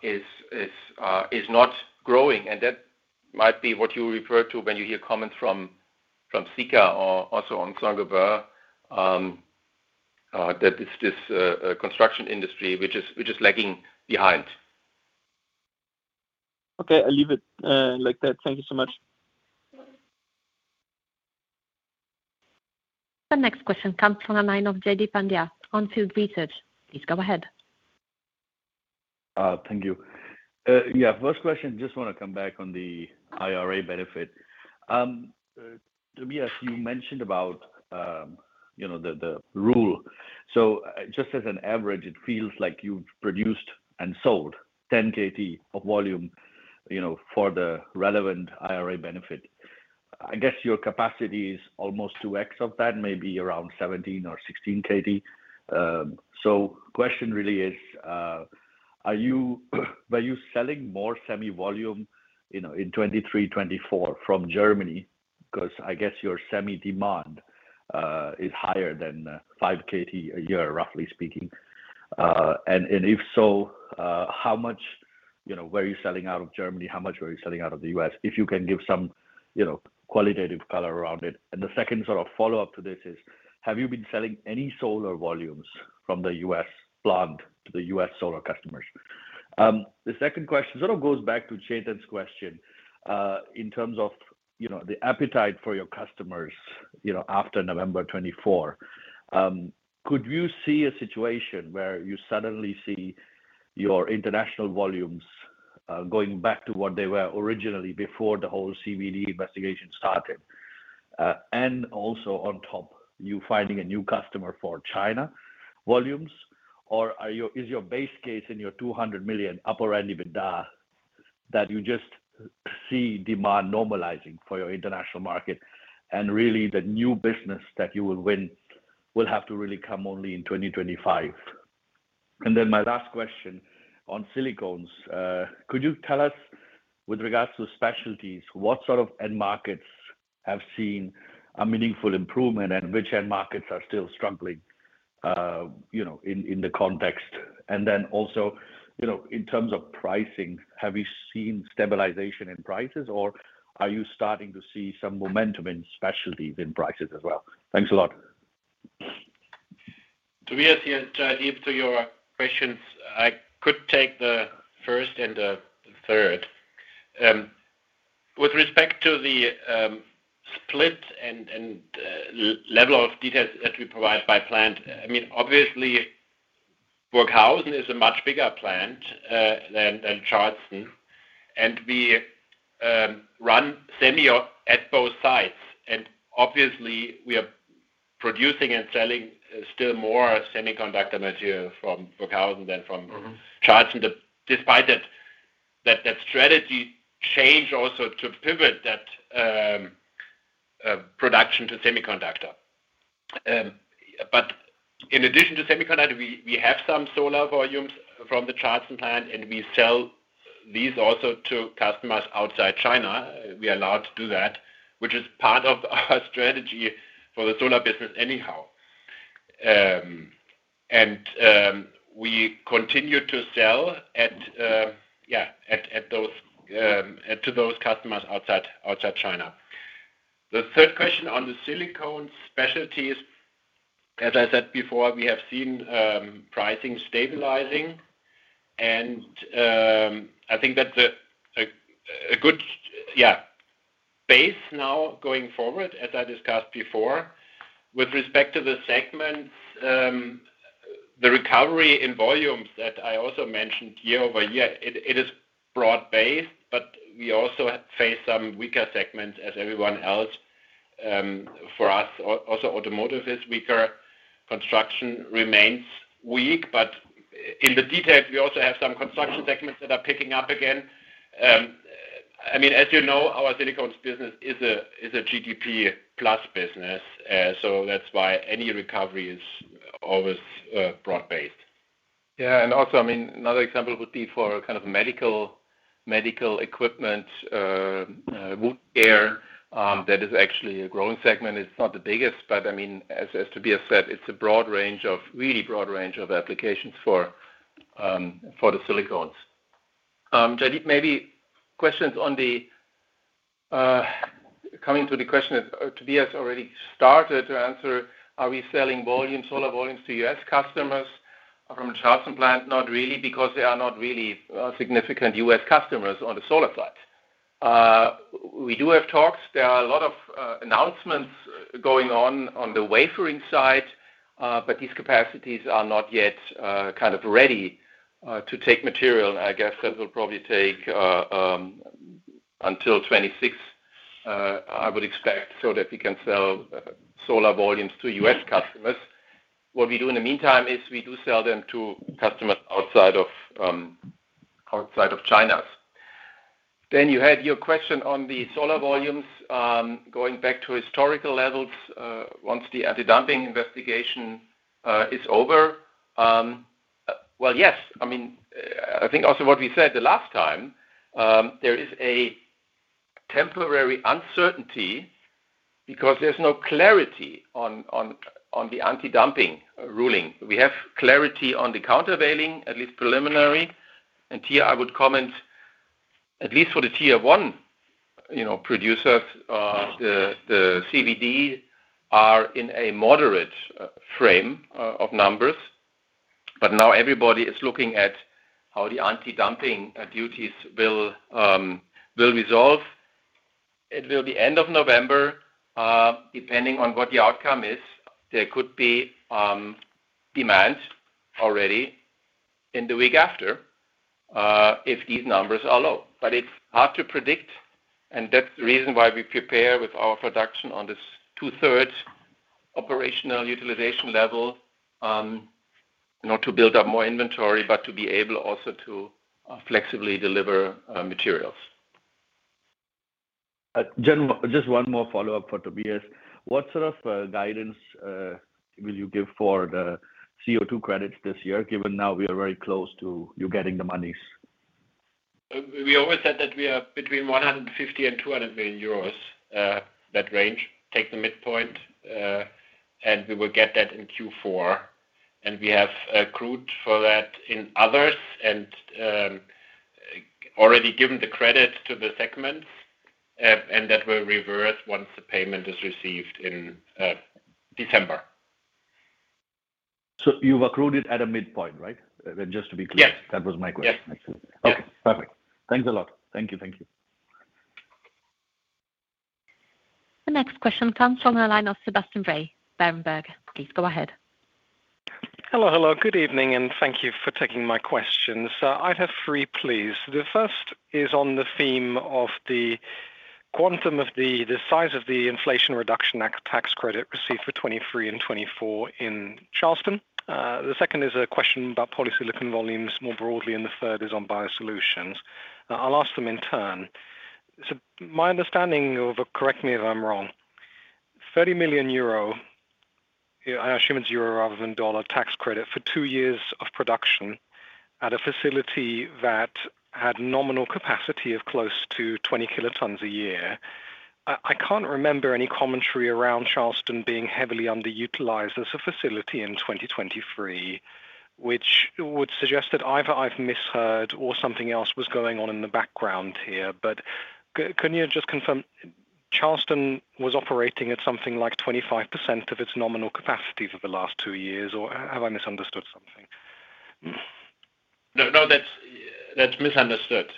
is not growing. And that might be what you refer to when you hear comments from, from Sika or also on Saint-Gobain, that it's this, construction industry which is, which is lagging behind. Okay, I'll leave it like that. Thank you so much. The next question comes from the line of Jaideep Pandya of On Field Investment Research. Please go ahead. Thank you. Yeah, first question, just want to come back on the IRA benefit. Tobias, you mentioned about, you know, the, the rule. So just as an average, it feels like you've produced and sold ten KT of volume, you know, for the relevant IRA benefit. I guess your capacity is almost 2x of that, maybe around 17 KT or 16 KT. So question really is, are you-- were you selling more semi volume, you know, in 2023, 2024 from Germany? Because I guess your semi demand is higher than, 5 KT a year, roughly speaking. And, and if so, how much... You know, were you selling out of Germany? How much were you selling out of the U.S.? If you can give some, you know, qualitative color around it. And the second sort of follow-up to this is, have you been selling any solar volumes from the U.S. plant to the U.S. solar customers? The second question sort of goes back to Chetan's question, in terms of, you know, the appetite for your customers, you know, after November 2024. Could you see a situation where you suddenly see your international volumes, going back to what they were originally before the whole CVD investigation started? And also on top, you finding a new customer for China volumes, or are you-- is your base case in your 200 million upper end EBITDA?... that you just see demand normalizing for your international market, and really, the new business that you will win will have to really come only in 2025. And then my last question on silicones. Could you tell us, with regards to specialties, what sort of end markets have seen a meaningful improvement and which end markets are still struggling, you know, in the context? And then also, you know, in terms of pricing, have you seen stabilization in prices, or are you starting to see some momentum in specialties in prices as well? Thanks a lot. Tobias here, Jaideep, to your questions, I could take the first and the third. With respect to the split and level of details that we provide by plant, I mean, obviously, Burghausen is a much bigger plant than Charleston, and we run semi at both sites. And obviously, we are producing and selling still more semiconductor material from Burghausen than from- Mm-hmm Charleston. Despite that strategy change also to pivot that production to semiconductor. But in addition to semiconductor, we have some solar volumes from the Charleston plant, and we sell these also to customers outside China. We are allowed to do that, which is part of our strategy for the solar business anyhow. And we continue to sell to those customers outside China. The third question on the silicone specialties, as I said before, we have seen pricing stabilizing, and I think that a good base now going forward, as I discussed before. With respect to the segments, the recovery in volumes that I also mentioned year-over-year, it is broad-based, but we also face some weaker segments as everyone else. For us, also, automotive is weaker. Construction remains weak, but in the details, we also have some construction segments that are picking up again. I mean, as you know, our silicones business is a GDP plus business, so that's why any recovery is always broad-based. Yeah, and also, I mean, another example would be for kind of medical equipment, wound care, that is actually a growing segment. It's not the biggest, but I mean, as Tobias said, it's a really broad range of applications for the silicones. Jaideep, maybe questions on the. Coming to the question that Tobias already started to answer, are we selling volume, solar volumes to U.S. customers from Charleston plant? Not really, because they are not really significant U.S. customers on the solar side. We do have talks. There are a lot of announcements going on, on the wafering side, but these capacities are not yet kind of ready to take material. I guess that will probably take until 2026, I would expect, so that we can sell solar volumes to U.S. customers. What we do in the meantime is we do sell them to customers outside of China. Then you had your question on the solar volumes going back to historical levels once the anti-dumping investigation is over. Yes. I mean, I think also what we said the last time, there is a temporary uncertainty because there's no clarity on the anti-dumping ruling. We have clarity on the countervailing, at least preliminary, and here I would comment, at least for the tier one, you know, producers, the CVD are in a moderate frame of numbers. But now everybody is looking at how the anti-dumping duties will resolve. It will be end of November, depending on what the outcome is, there could be demands already in the week after, if these numbers are low. But it's hard to predict, and that's the reason why we prepare with our production on this two-thirds operational utilization level, not to build up more inventory, but to be able also to flexibly deliver materials. Just one more follow-up for Tobias. What sort of guidance will you give for the CO2 credits this year, given now we are very close to you getting the monies? We always said that we are between 150 million and 200 million euros, that range. Take the midpoint, and we will get that in Q4. We have accrued for that in others and already given the credit to the segments, and that will reverse once the payment is received in December. So you've accrued it at a midpoint, right? Just to be clear. Yes. That was my question. Yes. Okay, perfect. Thanks a lot. Thank you. Thank you. The next question comes from the line of Sebastian Bray, Berenberg. Please go ahead. Hello, hello, good evening, and thank you for taking my questions. I'd have three, please. The first is on the theme of the quantum of the size of the Inflation Reduction Act tax credit received for 2023 and 2024 in Charleston. The second is a question about polysilicon volumes more broadly, and the third is on biosolutions. I'll ask them in turn. So my understanding of, correct me if I'm wrong, 30 million euro, I assume it's euro rather than dollar, tax credit for two years of production at a facility that had nominal capacity of close to 20 kilotons a year. I can't remember any commentary around Charleston being heavily underutilized as a facility in 2023, which would suggest that either I've misheard or something else was going on in the background here. But can you just confirm, Charleston was operating at something like 25% of its nominal capacity for the last two years, or have I misunderstood something? No, no, that's, that's misunderstood,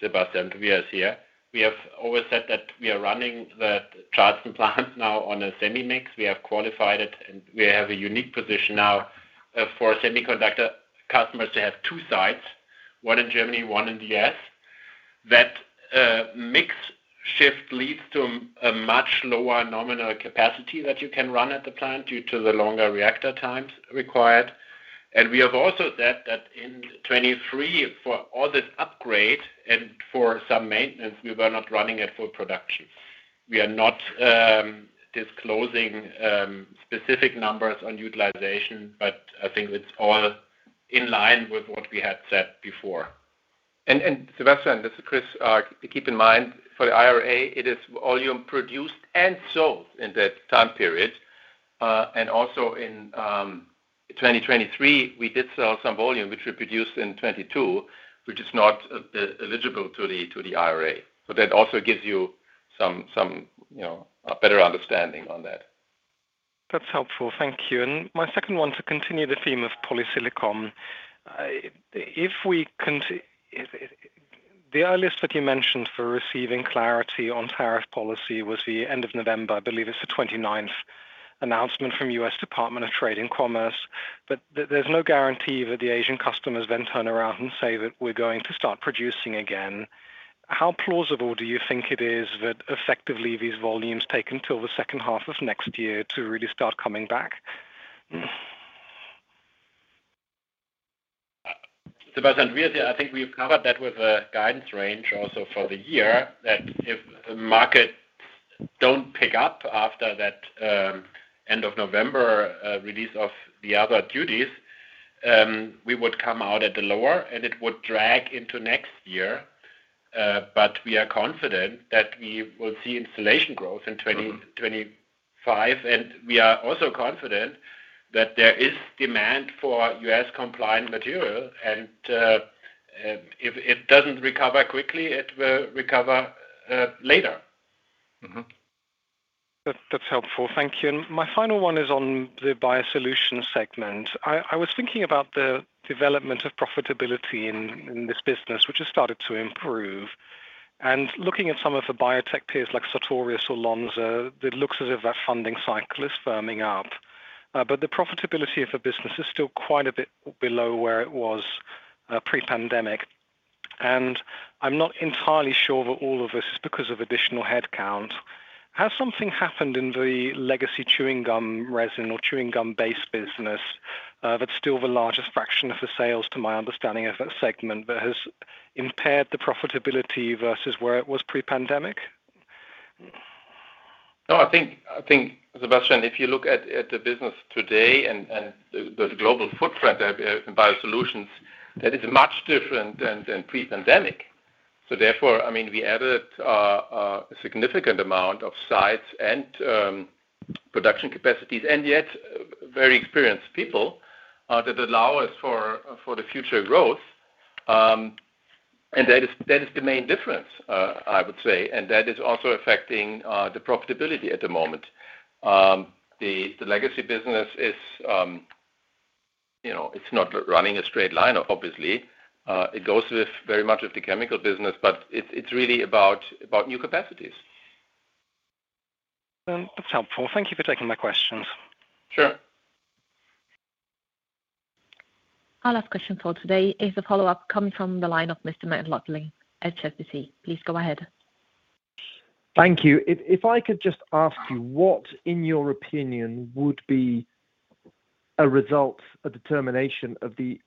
Sebastian. We are here. We have always said that we are running the Charleston plant now on a semi mix. We have qualified it, and we have a unique position now, for semiconductor customers to have two sites, one in Germany, one in the U.S. That, mix shift leads to a much lower nominal capacity that you can run at the plant due to the longer reactor times required. And we have also said that in 2023, for all this upgrade and for some maintenance, we were not running at full production. We are not disclosing specific numbers on utilization, but I think it's all in line with what we had said before. Sebastian, this is Chris. Keep in mind, for the IRA, it is volume produced and sold in that time period. And also in 2023, we did sell some volume, which we produced in 2022, which is not eligible to the IRA. So that also gives you some, you know, a better understanding on that. That's helpful. Thank you. And my second one, to continue the theme of polysilicon. The earliest that you mentioned for receiving clarity on tariff policy was the end of November. I believe it's the 29th announcement from U.S. Department of Commerce. But there, there's no guarantee that the Asian customers then turn around and say that we're going to start producing again. How plausible do you think it is that effectively these volumes take until the second half of next year to really start coming back? Sebastian, we are here. I think we've covered that with a guidance range also for the year, that if the market don't pick up after that, end of November, release of the other duties, we would come out at the lower, and it would drag into next year. But we are confident that we will see installation growth in 2025, and we are also confident that there is demand for U.S. compliant material, and, if it doesn't recover quickly, it will recover, later. Mm-hmm. That, that's helpful. Thank you. My final one is on the biosolutions segment. I was thinking about the development of profitability in this business, which has started to improve, and looking at some of the biotech peers like Sartorius or Lonza, it looks as if that funding cycle is firming up. But the profitability of the business is still quite a bit below where it was pre-pandemic, and I'm not entirely sure that all of this is because of additional headcount. Has something happened in the legacy chewing gum resin or chewing gum-based business that's still the largest fraction of the sales, to my understanding of that segment, but has impaired the profitability versus where it was pre-pandemic? No, I think, Sebastian, if you look at the business today and the global footprint in biosolutions, that is much different than pre-pandemic. So therefore, I mean, we added significant amount of sites and production capacities, and yet very experienced people that allow us for the future growth. And that is the main difference, I would say, and that is also affecting the profitability at the moment. The legacy business is, you know, it's not running a straight line, obviously. It goes very much with the chemical business, but it's really about new capacities. That's helpful. Thank you for taking my questions. Sure. Our last question for today is a follow-up coming from the line of Mr. Matt Lockley at HSBC. Please go ahead. Thank you. If I could just ask you, what, in your opinion, would be a result, a determination of the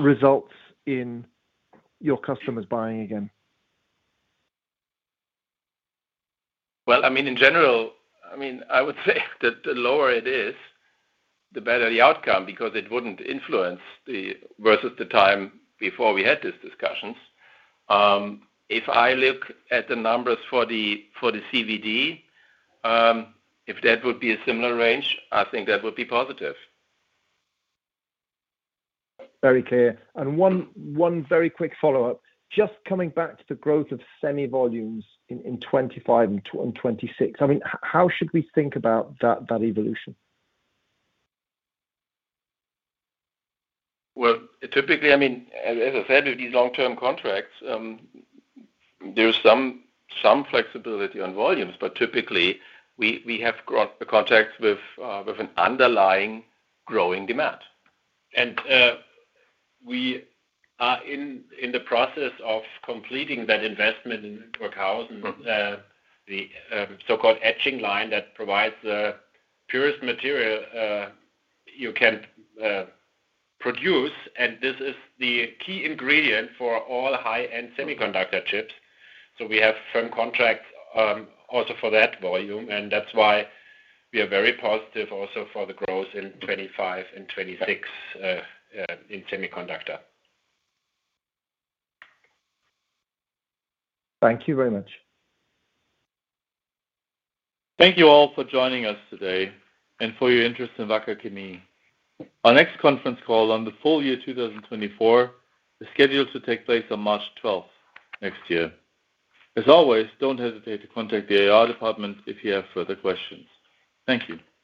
anti-dumping that results in your customers buying again? I mean, in general, I mean, I would say that the lower it is, the better the outcome, because it wouldn't influence the versus the time before we had these discussions. If I look at the numbers for the CVD, if that would be a similar range, I think that would be positive. Very clear. And one very quick follow-up. Just coming back to the growth of semi volumes in 2025 and 2026. I mean, how should we think about that evolution? Typically, I mean, as I said, with these long-term contracts, there's some flexibility on volumes, but typically, we have got the contracts with an underlying growing demand. We are in the process of completing that investment in Burghausen, the so-called etching line that provides the purest material you can produce, and this is the key ingredient for all high-end semiconductor chips. We have firm contracts, also for that volume, and that's why we are very positive also for the growth in 2025 and 2026 in semiconductor. Thank you very much. Thank you all for joining us today and for your interest in Wacker Chemie. Our next conference call on the full year two thousand and twenty-four is scheduled to take place on March twelfth next year. As always, don't hesitate to contact the IR department if you have further questions. Thank you.